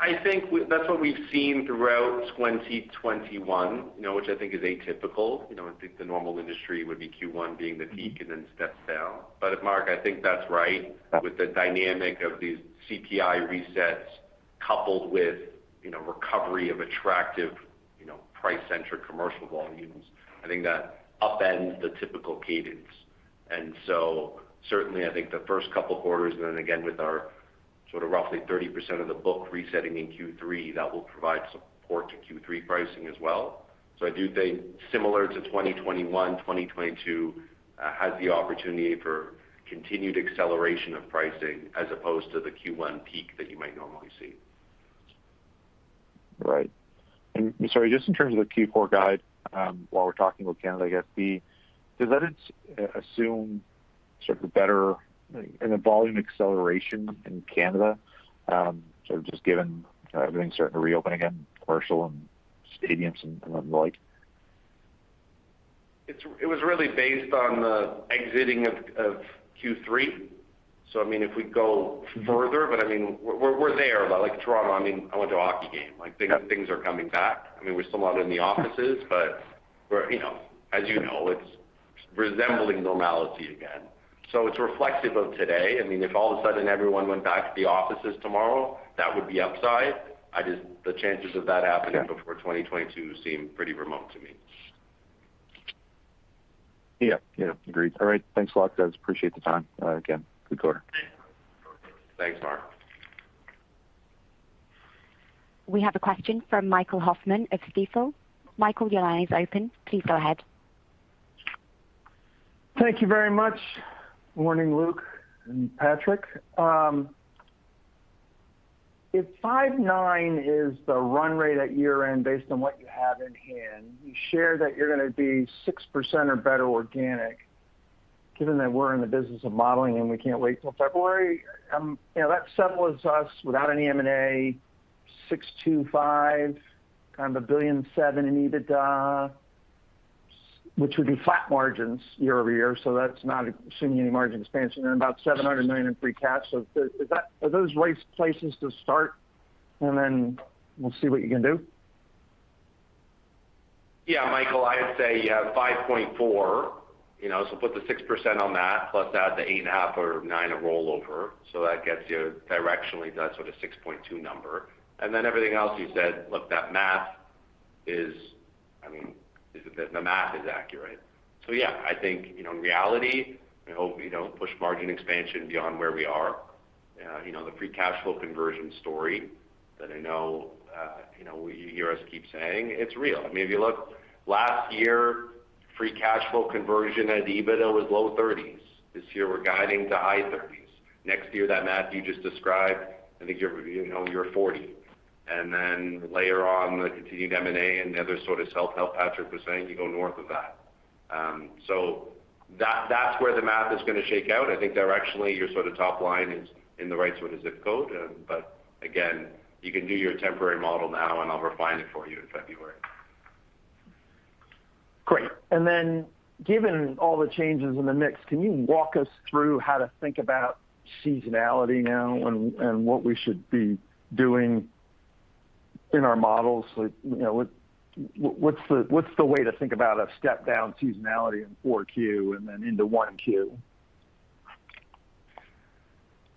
I think that's what we've seen throughout 2021, you know, which I think is atypical. You know, I think the normal industry would be Q1 being the peak and then steps down. Mark, I think that's right. Okay. With the dynamic of these CPI resets coupled with, you know, recovery of attractive, you know, price-centric commercial volumes, I think that upends the typical cadence. Certainly I think the first couple quarters, and then again with our sort of roughly 30% of the book resetting in Q3, that will provide support to Q3 pricing as well. I do think similar to 2021, 2022 has the opportunity for continued acceleration of pricing as opposed to the Q1 peak that you might normally see. Right. Sorry, just in terms of the Q4 guide, while we're talking about Canada, I guess, does that assume sort of a better volume acceleration in Canada, sort of just given, you know, everything's starting to reopen again, commercial and stadiums and the like? It was really based on the exit in Q3. I mean, if we go further, but I mean we're there. Like Chicago, I mean, I went to a hockey game, like things are coming back. I mean, we're still not in the offices, but you know, as you know, it's resembling normality again. It's reflective of today. I mean, if all of a sudden everyone went back to the offices tomorrow, that would be upside. I just the chances of that happening. Okay. Before 2022 seem pretty remote to me. Yeah. Yeah. Agreed. All right. Thanks a lot, guys. Appreciate the time. Again, good quarter. Thanks. Thanks, Mark. We have a question from Michael Hoffman of Stifel. Michael, your line is open. Please go ahead. Thank you very much. Morning, Luke and Patrick. If 5.9% is the run rate at year-end based on what you have in hand, you share that you're gonna be 6% or better organic, given that we're in the business of modeling and we can't wait till February, that settles us without any M&A 6.25, kind of $1.07 billion in EBITDA, which would be flat margins year-over-year. That's not assuming any margin expansion and about $700 million in free cash. Are those right places to start, and then we'll see what you can do? Yeah, Michael, I'd say 5.4%, you know. Put the 6% on that, plus add the 8.5% or 9% of rollover. That gets you directionally to that sort of 6.2% number. Everything else you said, look, that math is. I mean, the math is accurate. Yeah, I think, you know, in reality, I hope we don't push margin expansion beyond where we are. You know, the free cash flow conversion story that I know, you know, you hear us keep saying it's real. I mean, if you look last year, free cash flow conversion at EBITDA was low 30s%. This year we're guiding to high 30s%. Next year, that math you just described, I think you're 40%. Then later on, the continued M&A and the other sort of self-help Patrick was saying, you go north of that. That's where the math is gonna shake out. I think directionally your sort of top line is in the right sort of zip code. Again, you can do your temporary model now, and I'll refine it for you in February. Great. Given all the changes in the mix, can you walk us through how to think about seasonality now and what we should be doing in our models? Like, you know, what's the way to think about a step down seasonality in 4Q and then into 1Q?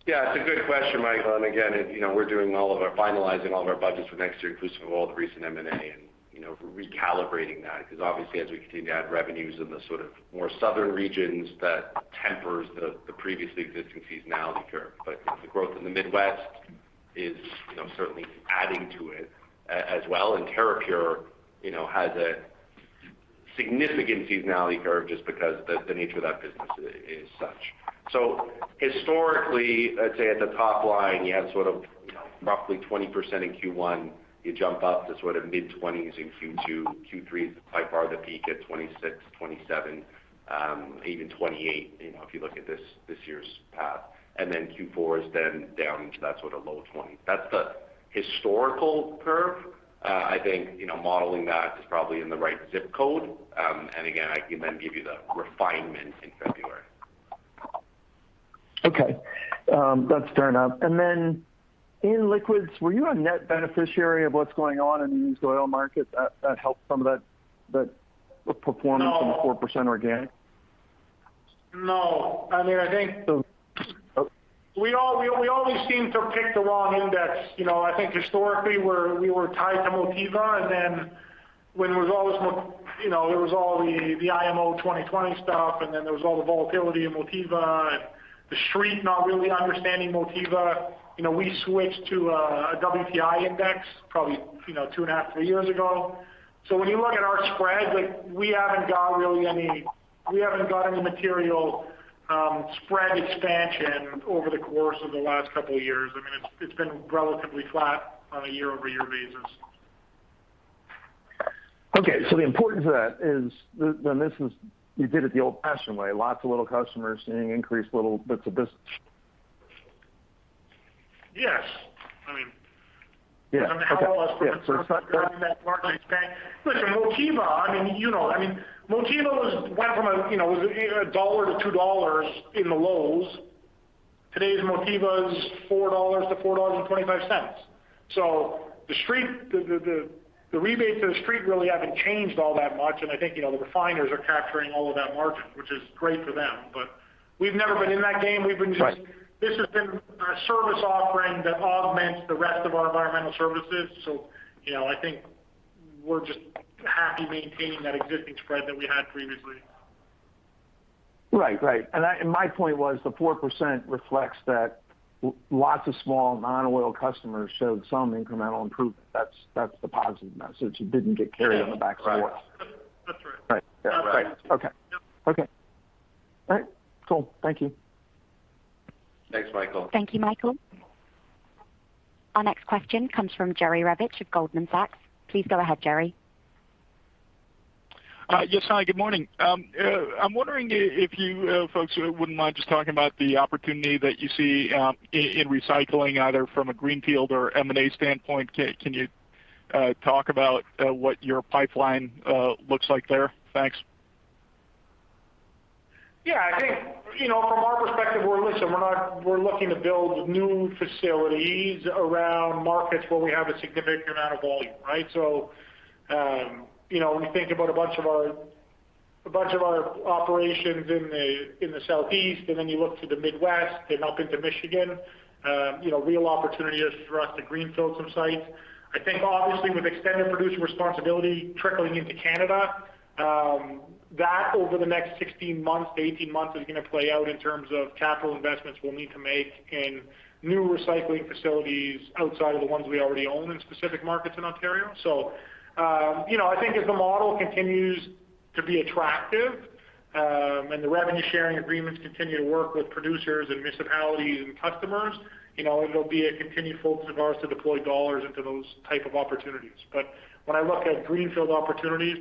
Yeah, it's a good question, Michael. Again, you know, we're finalizing all of our budgets for next year, inclusive of all the recent M&A. You know, we're recalibrating that because obviously as we continue to add revenues in the sort of more southern regions, that tempers the previously existing seasonality curve. The growth in the Midwest is, you know, certainly adding to it as well, and Terrapure, you know, has a significant seasonality curve just because the nature of that business is such. Historically, let's say at the top line, you have sort of, you know, roughly 20% in Q1. You jump up to sort of mid-20s in Q2. Q3 is by far the peak at 26, 27, even 28, you know, if you look at this year's path. Then Q4 is then down into that sort of low 20s. That's the historical curve. I think, you know, modeling that is probably in the right zip code. Again, I can then give you the refinement in February. Okay. That's fair enough. Then in liquids, were you a net beneficiary of what's going on in the used oil market that helped some of that performance in the 4% organic? No. I mean, I think we always seem to pick the wrong index. You know, I think historically we were tied to Motiva, and then you know, there was all the IMO 2020 stuff, and then there was all the volatility in Motiva and the Street not really understanding Motiva. You know, we switched to a WTI index probably, you know, two and a hlf to three years ago. When you look at our spreads, like we haven't got any material spread expansion over the course of the last couple of years. I mean, it's been relatively flat on a year-over-year basis. Okay. The importance of that is then this is you did it the old-fashioned way, lots of little customers seeing increased little bits of business. Yes. I mean. Yeah. Okay. Yeah. How else would you describe that margin expansion? Listen, Motiva, I mean, you know. I mean, Motiva went from a, you know, $1 to $2 in the lows. Today's Motiva is $4-$4.25. So The Street, the rebates to The Street really haven't changed all that much, and I think, you know, the refiners are capturing all of that margin, which is great for them. We've never been in that game. We've been just- Right. This has been a service offering that augments the rest of our environmental services. You know, I think we're just happy maintaining that existing spread that we had previously. Right. My point was the 4% reflects that lots of small non-oil customers showed some incremental improvement. That's the positive message. It didn't get carried on the back of oil. That's right. Right. Yeah. Right. Okay. Yep. Okay. All right. Cool. Thank you. Thanks, Michael. Thank you, Michael. Our next question comes from Jerry Revich of Goldman Sachs. Please go ahead, Jerry. Yes, hi, good morning. I'm wondering if you folks wouldn't mind just talking about the opportunity that you see in recycling, either from a greenfield or M&A standpoint. Can you talk about what your pipeline looks like there? Thanks. Yeah. I think, you know, from our perspective, we're looking to build new facilities around markets where we have a significant amount of volume, right? You know, when you think about a bunch of our operations in the Southeast, and then you look to the Midwest and up into Michigan, you know, real opportunities for us to greenfield some sites. I think obviously with extended producer responsibility trickling into Canada, that over the next 16-18 months is gonna play out in terms of capital investments we'll need to make in new recycling facilities outside of the ones we already own in specific markets in Ontario. I think if the model continues to be attractive, and the revenue sharing agreements continue to work with producers and municipalities and customers, you know, it'll be a continued focus of ours to deploy dollars into those type of opportunities. When I look at greenfield opportunities,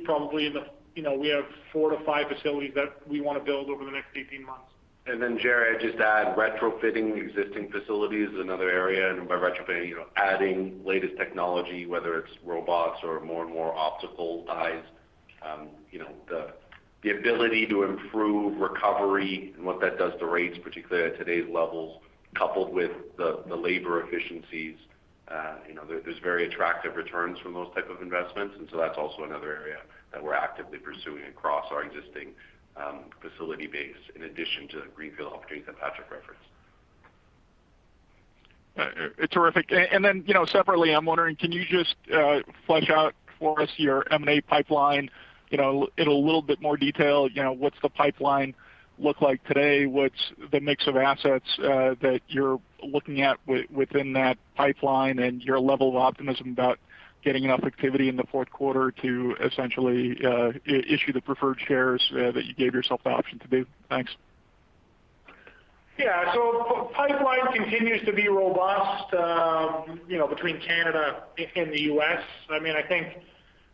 you know, we have four to five facilities that we wanna build over the next 18 months. Then, Jerry, I'd just add retrofitting existing facilities is another area. By retrofitting, you know, adding latest technology, whether it's robots or more and more optical eyes. You know, the ability to improve recovery and what that does to rates, particularly at today's levels, coupled with the labor efficiencies, you know, there's very attractive returns from those type of investments. That's also another area that we're actively pursuing across our existing facility base in addition to the greenfield opportunities that Patrick referenced. Terrific. Then, you know, separately, I'm wondering, can you just flesh out for us your M&A pipeline, you know, in a little bit more detail. You know, what's the pipeline look like today? What's the mix of assets that you're looking at within that pipeline and your level of optimism about getting enough activity in the fourth quarter to essentially issue the preferred shares that you gave yourself the option to do? Thanks. Pipeline continues to be robust, you know, between Canada and the U.S. I mean, I think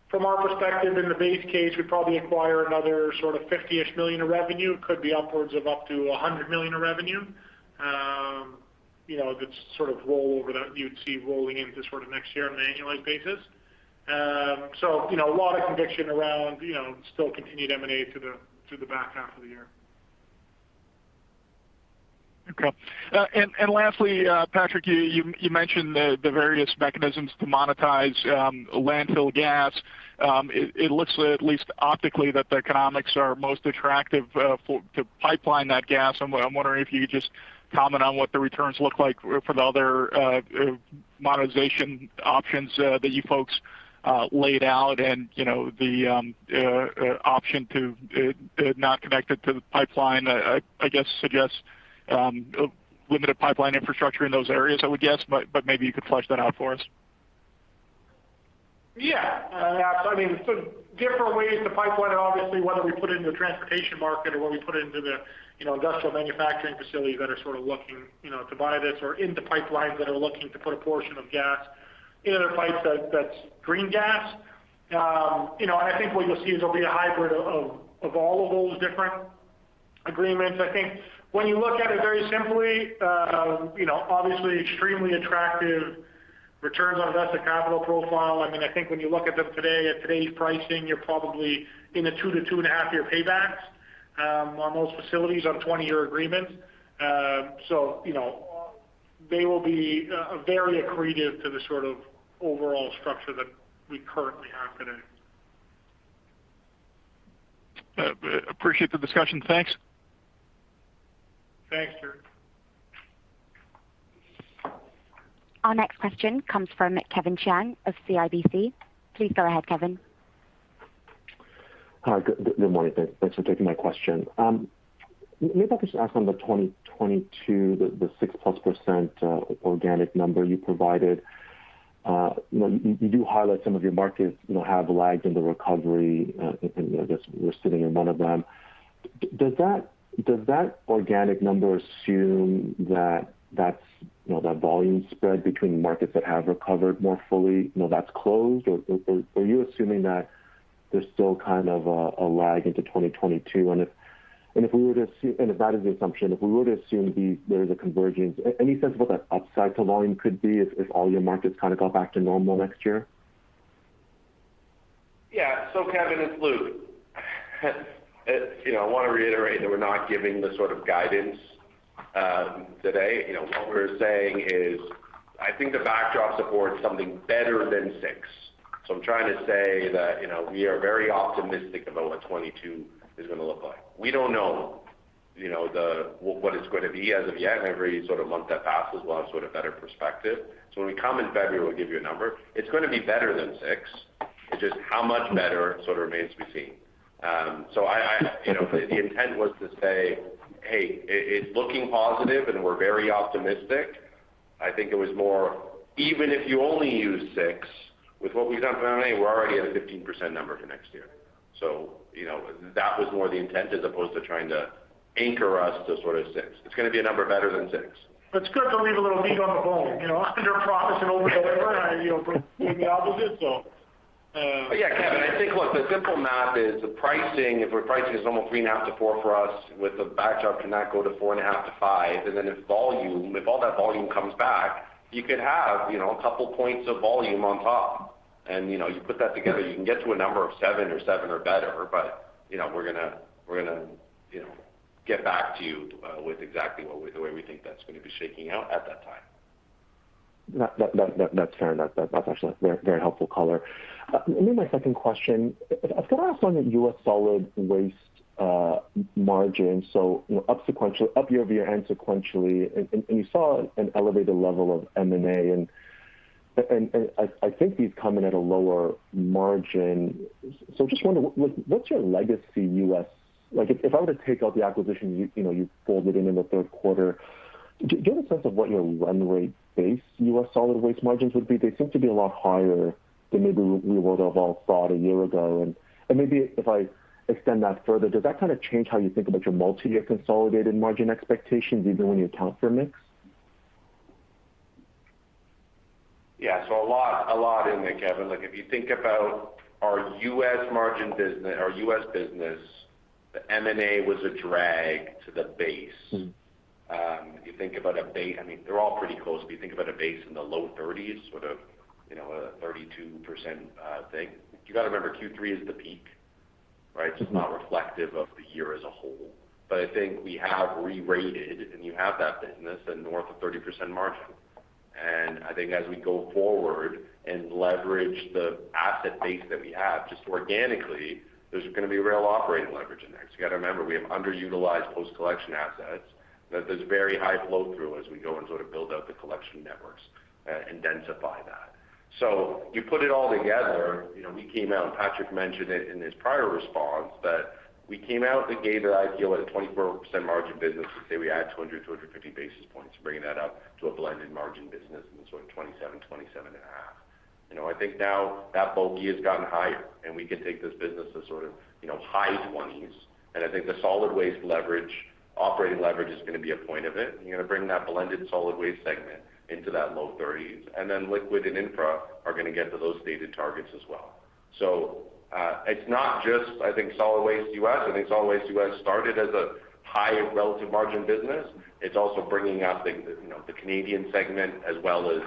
from our perspective, in the base case, we probably acquire another sort of 50-ish million of revenue. Could be upwards of up to 100 million of revenue. You know, a good sort of roll over that you'd see rolling into sort of next year on an annualized basis. You know, a lot of conviction around, you know, still continued M&A through the back half of the year. Okay. Lastly, Patrick, you mentioned the various mechanisms to monetize landfill gas. It looks at least optically that the economics are most attractive to pipeline that gas. I'm wondering if you could just comment on what the returns look like for the other monetization options that you folks laid out and, you know, the option to not connect it to the pipeline. I just suggest limited pipeline infrastructure in those areas, I would guess, but maybe you could flesh that out for us. Yeah. I mean, different ways to pipeline it, obviously, whether we put it into the transportation market or whether we put it into the, you know, industrial manufacturing facilities that are sort of looking, you know, to buy this or into pipelines that are looking to put a portion of gas in their pipes that's green gas. You know, I think what you'll see is there'll be a hybrid of all of those different agreements. I think when you look at it very simply, obviously extremely attractive returns on invested capital profile. I mean, I think when you look at them today, at today's pricing, you're probably in a two to two and a half year paybacks on most facilities on 20-year agreements. You know, they will be very accretive to the sort of overall structure that we currently have today. Appreciate the discussion. Thanks. Thanks, sir. Our next question comes from Kevin Chiang of CIBC. Please go ahead, Kevin. Hi. Good morning. Thanks for taking my question. Maybe if I could just ask on the 2022, the 6%+ organic number you provided. You know, you do highlight some of your markets, you know, have lagged in the recovery, and I guess we're sitting in one of them. Does that organic number assume that that's, you know, that volume spread between markets that have recovered more fully, you know, that's closed? Or are you assuming that there's still kind of a lag into 2022? And if that is the assumption, if we were to assume there is a convergence, any sense of what that upside to volume could be if all your markets kind of got back to normal next year? Yeah. Kevin, it's Luke. You know, I wanna reiterate that we're not giving the sort of guidance today. You know, what we're saying is, I think the backdrop supports something better than six. I'm trying to say that, you know, we are very optimistic about what 2022 is gonna look like. We don't know, you know, what it's gonna be as of yet, and every sort of month that passes, we'll have sort of better perspective. When we come in February, we'll give you a number. It's gonna be better than six. It's just how much better sort of remains to be seen. I, you know, the intent was to say, "Hey, it's looking positive, and we're very optimistic." I think it was more, even if you only use six, with what we've done for how many, we're already at a 15% number for next year. You know, that was more the intent as opposed to trying to anchor us to sort of six. It's gonna be a number better than six. It's good to leave a little meat on the bone. You know, under promise and over deliver, you know, maybe opposite, so. Yeah, Kevin, I think look, the simple math is the pricing. Our pricing is almost 3.5%-4% for us with the backdrop to not go to 4.5%-5%. If all that volume comes back, you could have, you know, a couple points of volume on top. You know, you put that together, you can get to a number of seven or better. You know, we're gonna get back to you with exactly the way we think that's gonna be shaking out at that time. That's fair. That's actually very, very helpful color. Maybe my second question. If I could ask on the U.S. solid waste margin. So, you know, up sequentially, up year over year and sequentially, and you saw an elevated level of M&A, and I think these come in at a lower margin. So I just wonder what's your legacy U.S. Like, if I were to take out the acquisition you know you folded in the third quarter, give a sense of what your run rate base U.S. solid waste margins would be. They seem to be a lot higher than maybe we would have all thought a year ago. Maybe if I extend that further, does that kind of change how you think about your multi-year consolidated margin expectations even when you account for mix? Yeah. A lot in there, Kevin. Like, if you think about our U.S. margin business, our U.S. business, the M&A was a drag to the base. Mm. If you think about a base in the low 30s, sort of, you know, a 32% thing. You gotta remember, Q3 is the peak, right? Mm-hmm. It's not reflective of the year as a whole. I think we have re-rated, and you have that business in north of 30% margin. I think as we go forward and leverage the asset base that we have, just organically, there's gonna be real operating leverage in there. You gotta remember, we have underutilized post-collection assets that there's very high flow through as we go and sort of build out the collection networks, and densify that. You put it all together, you know, we came out, and Patrick mentioned it in his prior response, that we came out and gave an idea at a 24% margin business. Let's say we add 200-250 basis points, bringing that up to a blended margin business and sort of 27-27.5%. You know, I think now that bogey has gotten higher, and we can take this business to sort of, you know, high 20s%. I think the solid waste leverage, operating leverage is gonna be a point of it. You're gonna bring that blended solid waste segment into that low 30s%. Liquid and infra are gonna get to those stated targets as well. It's not just, I think, solid waste US. I think solid waste US started as a high relative margin business. It's also bringing up the, you know, the Canadian segment as well as,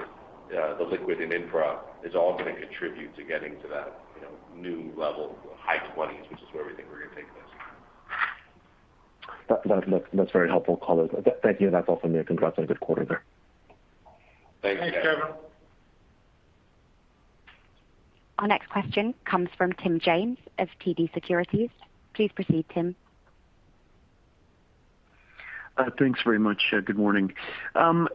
the liquid and infra is all gonna contribute to getting to that, you know, new level, high 20s%, which is where we think we're gonna take this. That's very helpful color. Thank you, and that's all from me. Congrats on a good quarter there. Thanks, Kevin. Thanks, Kevin. Our next question comes from Tim James of TD Securities. Please proceed, Tim. Thanks very much. Good morning.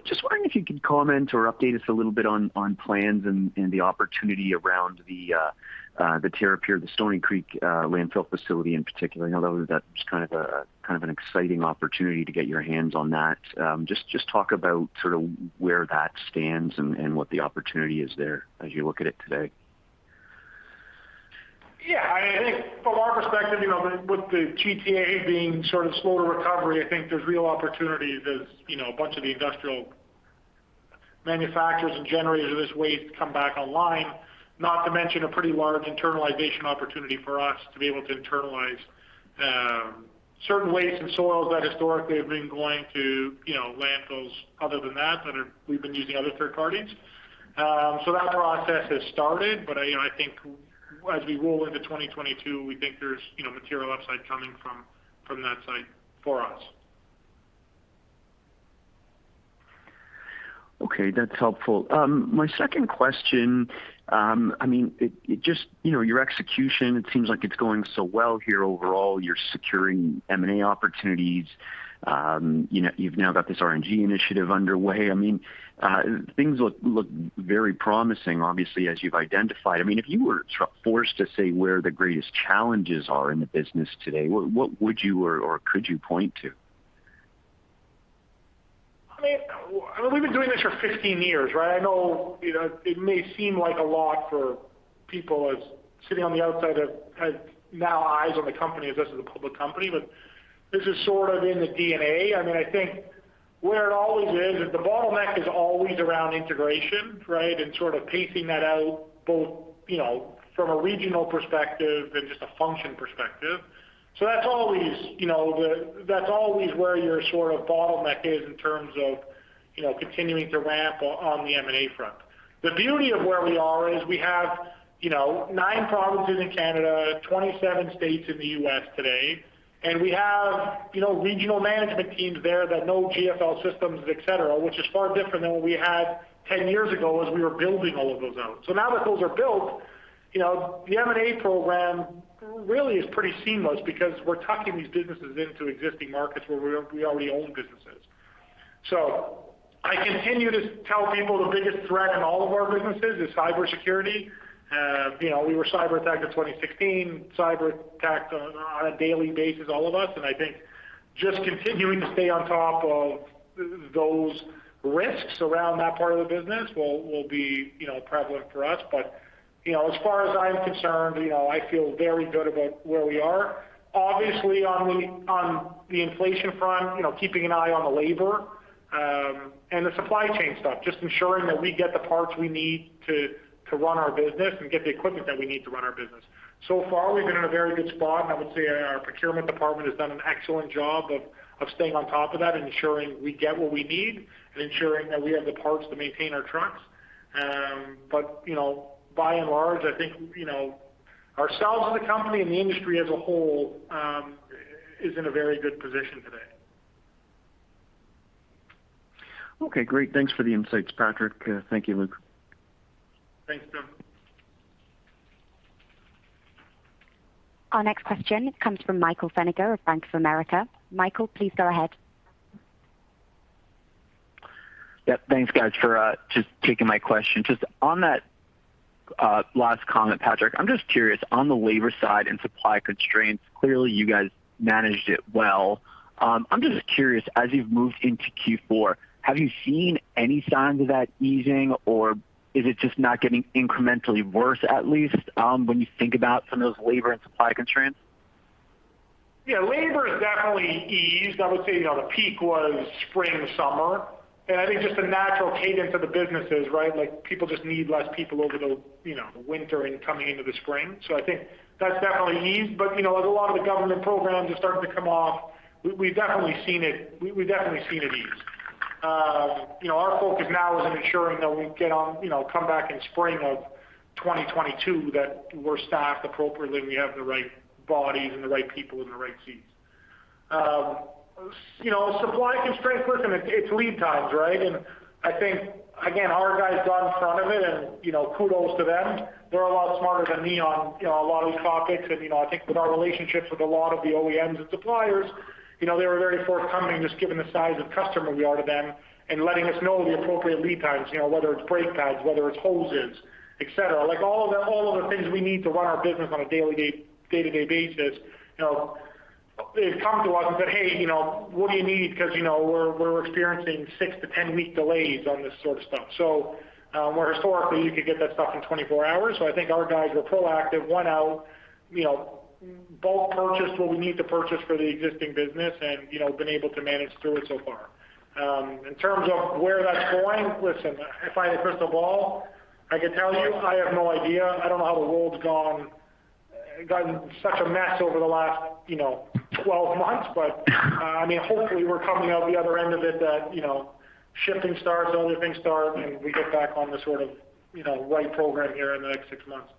Just wondering if you could comment or update us a little bit on plans and the opportunity around the Terrapure, the Stoney Creek landfill facility in particular. I know that's kind of an exciting opportunity to get your hands on that. Just talk about sort of where that stands and what the opportunity is there as you look at it today. Yeah, I think from our perspective, you know, with the GTA being sort of slower recovery. I think there's real opportunity as, you know, a bunch of the industrial manufacturers and generators of this waste come back online, not to mention a pretty large internalization opportunity for us to be able to internalize certain wastes and soils that historically have been going to, you know, landfills other than that we've been using other third parties. That process has started, but I you know I think as we roll into 2022, we think there's you know material upside coming from that site for us. Okay, that's helpful. My second question, I mean, it just, you know, your execution, it seems like it's going so well here overall. You're securing M&A opportunities. You know, you've now got this RNG initiative underway. I mean, things look very promising, obviously, as you've identified. I mean, if you were forced to say where the greatest challenges are in the business today, what would you or could you point to? I mean, we've been doing this for 15 years, right? I know, you know, it may seem like a lot for people who are sitting on the outside who have had new eyes on the company as this is a public company, but this is sort of in the DNA. I mean, I think where it always is the bottleneck is always around integration, right? Sort of pacing that out both, you know, from a regional perspective and just a function perspective. That's always, you know, where your sort of bottleneck is in terms of, you know, continuing to ramp on the M&A front. The beauty of where we are is we have, you know, nine provinces in Canada, 27 states in the U.S. today, and we have, you know, regional management teams there that know GFL systems, et cetera, which is far different than what we had 10 years ago as we were building all of those out. Now that those are built, you know, the M&A program really is pretty seamless because we're tucking these businesses into existing markets where we already own businesses. I continue to tell people the biggest threat in all of our businesses is cybersecurity. You know, we were cyberattacked in 2016. Cyberattacked on a daily basis, all of us. I think just continuing to stay on top of those risks around that part of the business will be, you know, prevalent for us. you know, as far as I'm concerned, you know, I feel very good about where we are. Obviously, on the inflation front, you know, keeping an eye on the labor and the supply chain stuff, just ensuring that we get the parts we need to run our business and get the equipment that we need to run our business. Far, we've been in a very good spot, and I would say our procurement department has done an excellent job of staying on top of that and ensuring we get what we need and ensuring that we have the parts to maintain our trucks. you know, by and large, I think, you know, ourselves as a company and the industry as a whole is in a very good position today. Okay, great. Thanks for the insights, Patrick. Thank you, Luke. Thanks, Tim. Our next question comes from Michael Feniger of Bank of America. Michael, please go ahead. Yep. Thanks, guys, for just taking my question. Just on that last comment, Patrick, I'm just curious, on the labor side and supply constraints, clearly you guys managed it well. I'm just curious, as you've moved into Q4, have you seen any signs of that easing, or is it just not getting incrementally worse, at least, when you think about some of those labor and supply constraints? Yeah. Labor has definitely eased. I would say, you know, the peak was spring, summer. I think just the natural cadence of the businesses, right? Like, people just need less people over the, you know, winter and coming into the spring. I think that's definitely eased. You know, as a lot of the government programs are starting to come off, we've definitely seen it ease. You know, our focus now is on ensuring that we get on, you know, come back in spring of 2022, that we're staffed appropriately, and we have the right bodies and the right people in the right seats. You know, supply constraints, listen, it's lead times, right? I think, again, our guys got in front of it, and, you know, kudos to them. They're a lot smarter than me on, you know, a lot of these topics. You know, I think with our relationships with a lot of the OEMs and suppliers, you know, they were very forthcoming, just given the size of customer we are to them and letting us know the appropriate lead times, you know, whether it's brake pads, whether it's hoses, et cetera. Like, all of the things we need to run our business on a day-to-day basis, you know, they've come to us and said, "Hey, you know, what do you need? Because, you know, we're experiencing six to 10-week delays on this sort of stuff." Where historically you could get that stuff in 24 hours. I think our guys were proactive, went out, you know, bulk purchased what we need to purchase for the existing business and, you know, been able to manage through it so far. In terms of where that's going, listen, if I had a crystal ball, I could tell you I have no idea. I don't know how the world's gotten such a mess over the last, you know, 12 months. I mean, hopefully we're coming out the other end of it that, you know, shipping starts, ordering things start, and we get back on the sort of, you know, right program here in the next six months.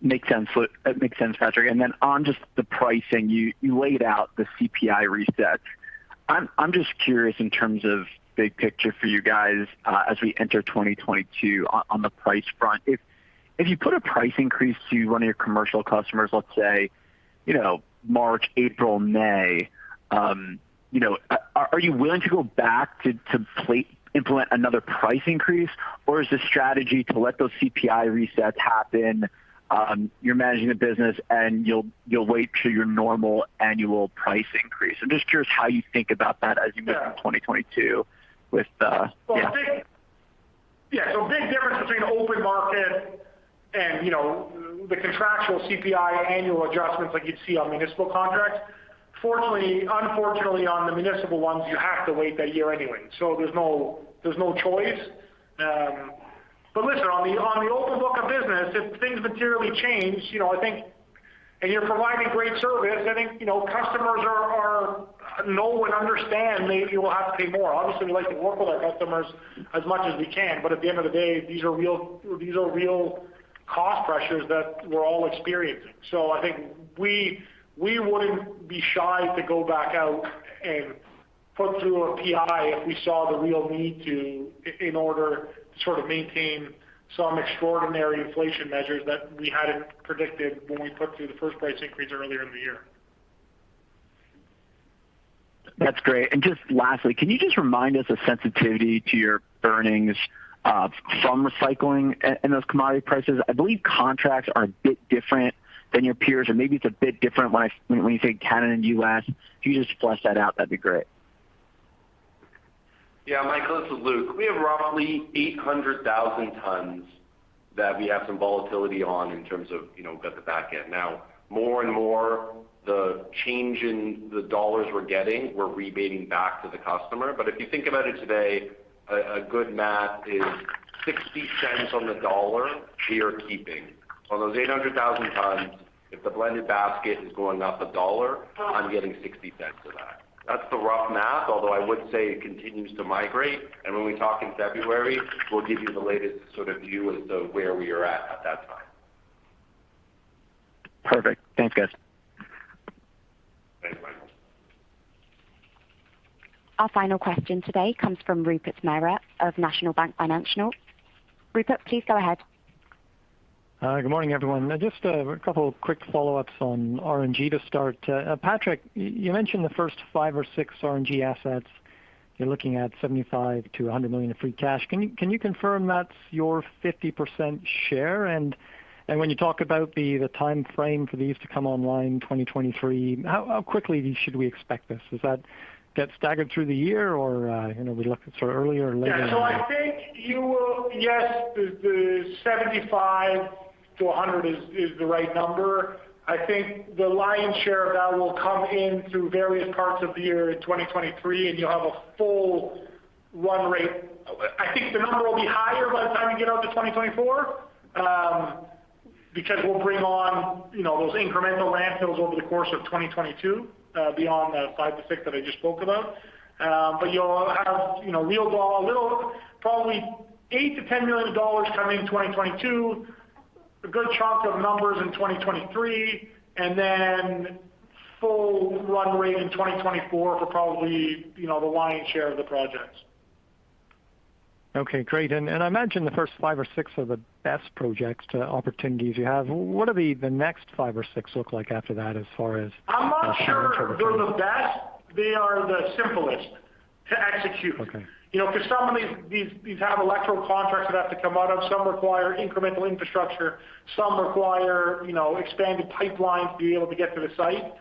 Makes sense. It makes sense, Patrick. Then on just the pricing, you laid out the CPI reset. I'm just curious in terms of big picture for you guys, as we enter 2022 on the price front. If you put a price increase to one of your commercial customers, let's say, you know, March, April, May, are you willing to go back to implement another price increase? Or is the strategy to let those CPI resets happen, you're managing the business and you'll wait till your normal annual price increase? I'm just curious how you think about that as you move into 2022 with the Open market and, you know, the contractual CPI annual adjustments like you'd see on municipal contracts. Fortunately, unfortunately, on the municipal ones, you have to wait that year anyway. There's no choice. Listen, on the open book of business, if things materially change, you know, I think you're providing great service, I think, you know, customers know and understand that you will have to pay more. Obviously, we like to work with our customers as much as we can, but at the end of the day, these are real cost pressures that we're all experiencing. I think we wouldn't be shy to go back out and put through a P&I if we saw the real need in order to sort of maintain some extraordinary inflation measures that we hadn't predicted when we put through the first price increase earlier in the year. That's great. Just lastly, can you just remind us the sensitivity to your earnings, from recycling and those commodity prices? I believe contracts are a bit different than your peers, or maybe it's a bit different when you think Canada and U.S. If you just flesh that out, that'd be great. Yeah. Michael, this is Luke. We have roughly 800,000 tons that we have some volatility on in terms of, you know, at the back end. Now, more and more, the change in the dollars we're getting, we're rebating back to the customer. But if you think about it today, a good math is 60 cents on the dollar we are keeping. On those 800,000 tons, if the blended basket is going up $1, I'm getting $0.60 of that. That's the rough math, although I would say it continues to migrate. When we talk in February, we'll give you the latest sort of view as to where we are at that time. Perfect. Thanks, guys. Thanks, Michael. Our final question today comes from Rupert Merer of National Bank Financial. Rupert, please go ahead. Good morning, everyone. Just a couple of quick follow-ups on RNG to start. Patrick, you mentioned the first five or six RNG assets, you're looking at 75 million-100 million of free cash. Can you confirm that's your 50% share? When you talk about the timeframe for these to come online, 2023, how quickly should we expect this? Does that get staggered through the year or you know, we look at sort of earlier or later? Yeah. I think you will. Yes, the $75 million-$100 million is the right number. I think the lion's share of that will come in through various parts of the year in 2023, and you'll have a full run rate. I think the number will be higher by the time we get out to 2024, because we'll bring on, you know, those incremental landfills over the course of 2022, beyond the five to six that I just spoke about. You'll have, you know, real little, probably $8 million-$10 million come in 2022, a good chunk of numbers in 2023, and then full run rate in 2024 for probably, you know, the lion's share of the projects. Okay, great. I imagine the first five or six are the best projects or opportunities you have. What do the next five or six look like after that as far as? I'm not sure they're the best. They are the simplest to execute. Okay. You know, because some of these have electrical contracts that have to come out of, some require incremental infrastructure, some require, you know, expanded pipelines to be able to get to the site.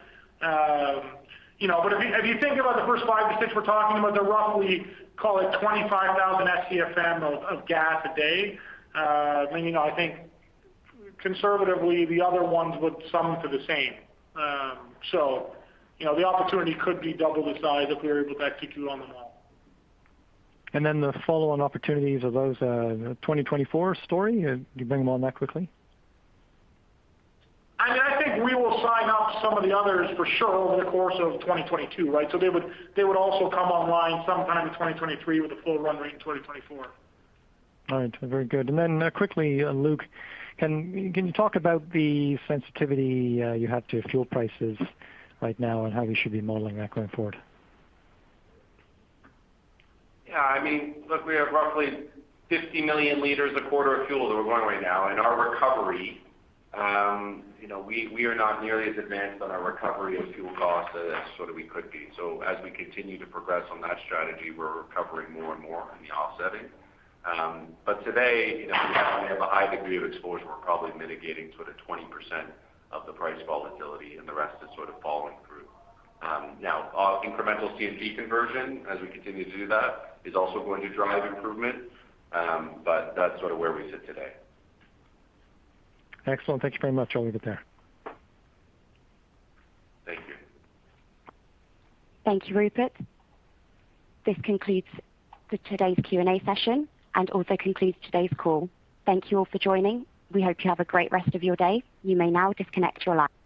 You know, if you think about the first five to six we're talking about, they're roughly, call it 25,000 SCFM of gas a day. I mean, I think conservatively, the other ones would sum to the same. You know, the opportunity could be double the size if we were able to execute on them all. The follow-on opportunities, are those 2024 story? You bring them on that quickly? I mean, I think we will sign up some of the others for sure over the course of 2022, right? They would also come online sometime in 2023 with a full run rate in 2024. All right. Very good. Quickly, Luke, can you talk about the sensitivity you have to fuel prices right now and how we should be modeling that going forward? Yeah. I mean, look, we have roughly 50 million liters a quarter of fuel that we're going right now. Our recovery, you know, we are not nearly as advanced on our recovery of fuel costs as sort of we could be. As we continue to progress on that strategy, we're recovering more and more on the offsetting. Today, you know, we have a high degree of exposure. We're probably mitigating sort of 20% of the price volatility, and the rest is sort of falling through. Now, our incremental CNG conversion, as we continue to do that, is also going to drive improvement. That's sort of where we sit today. Excellent. Thank you very much. I'll leave it there. Thank you. Thank you, Rupert. This concludes today's Q&A session and also concludes today's call. Thank you all for joining. We hope you have a great rest of your day. You may now disconnect your line.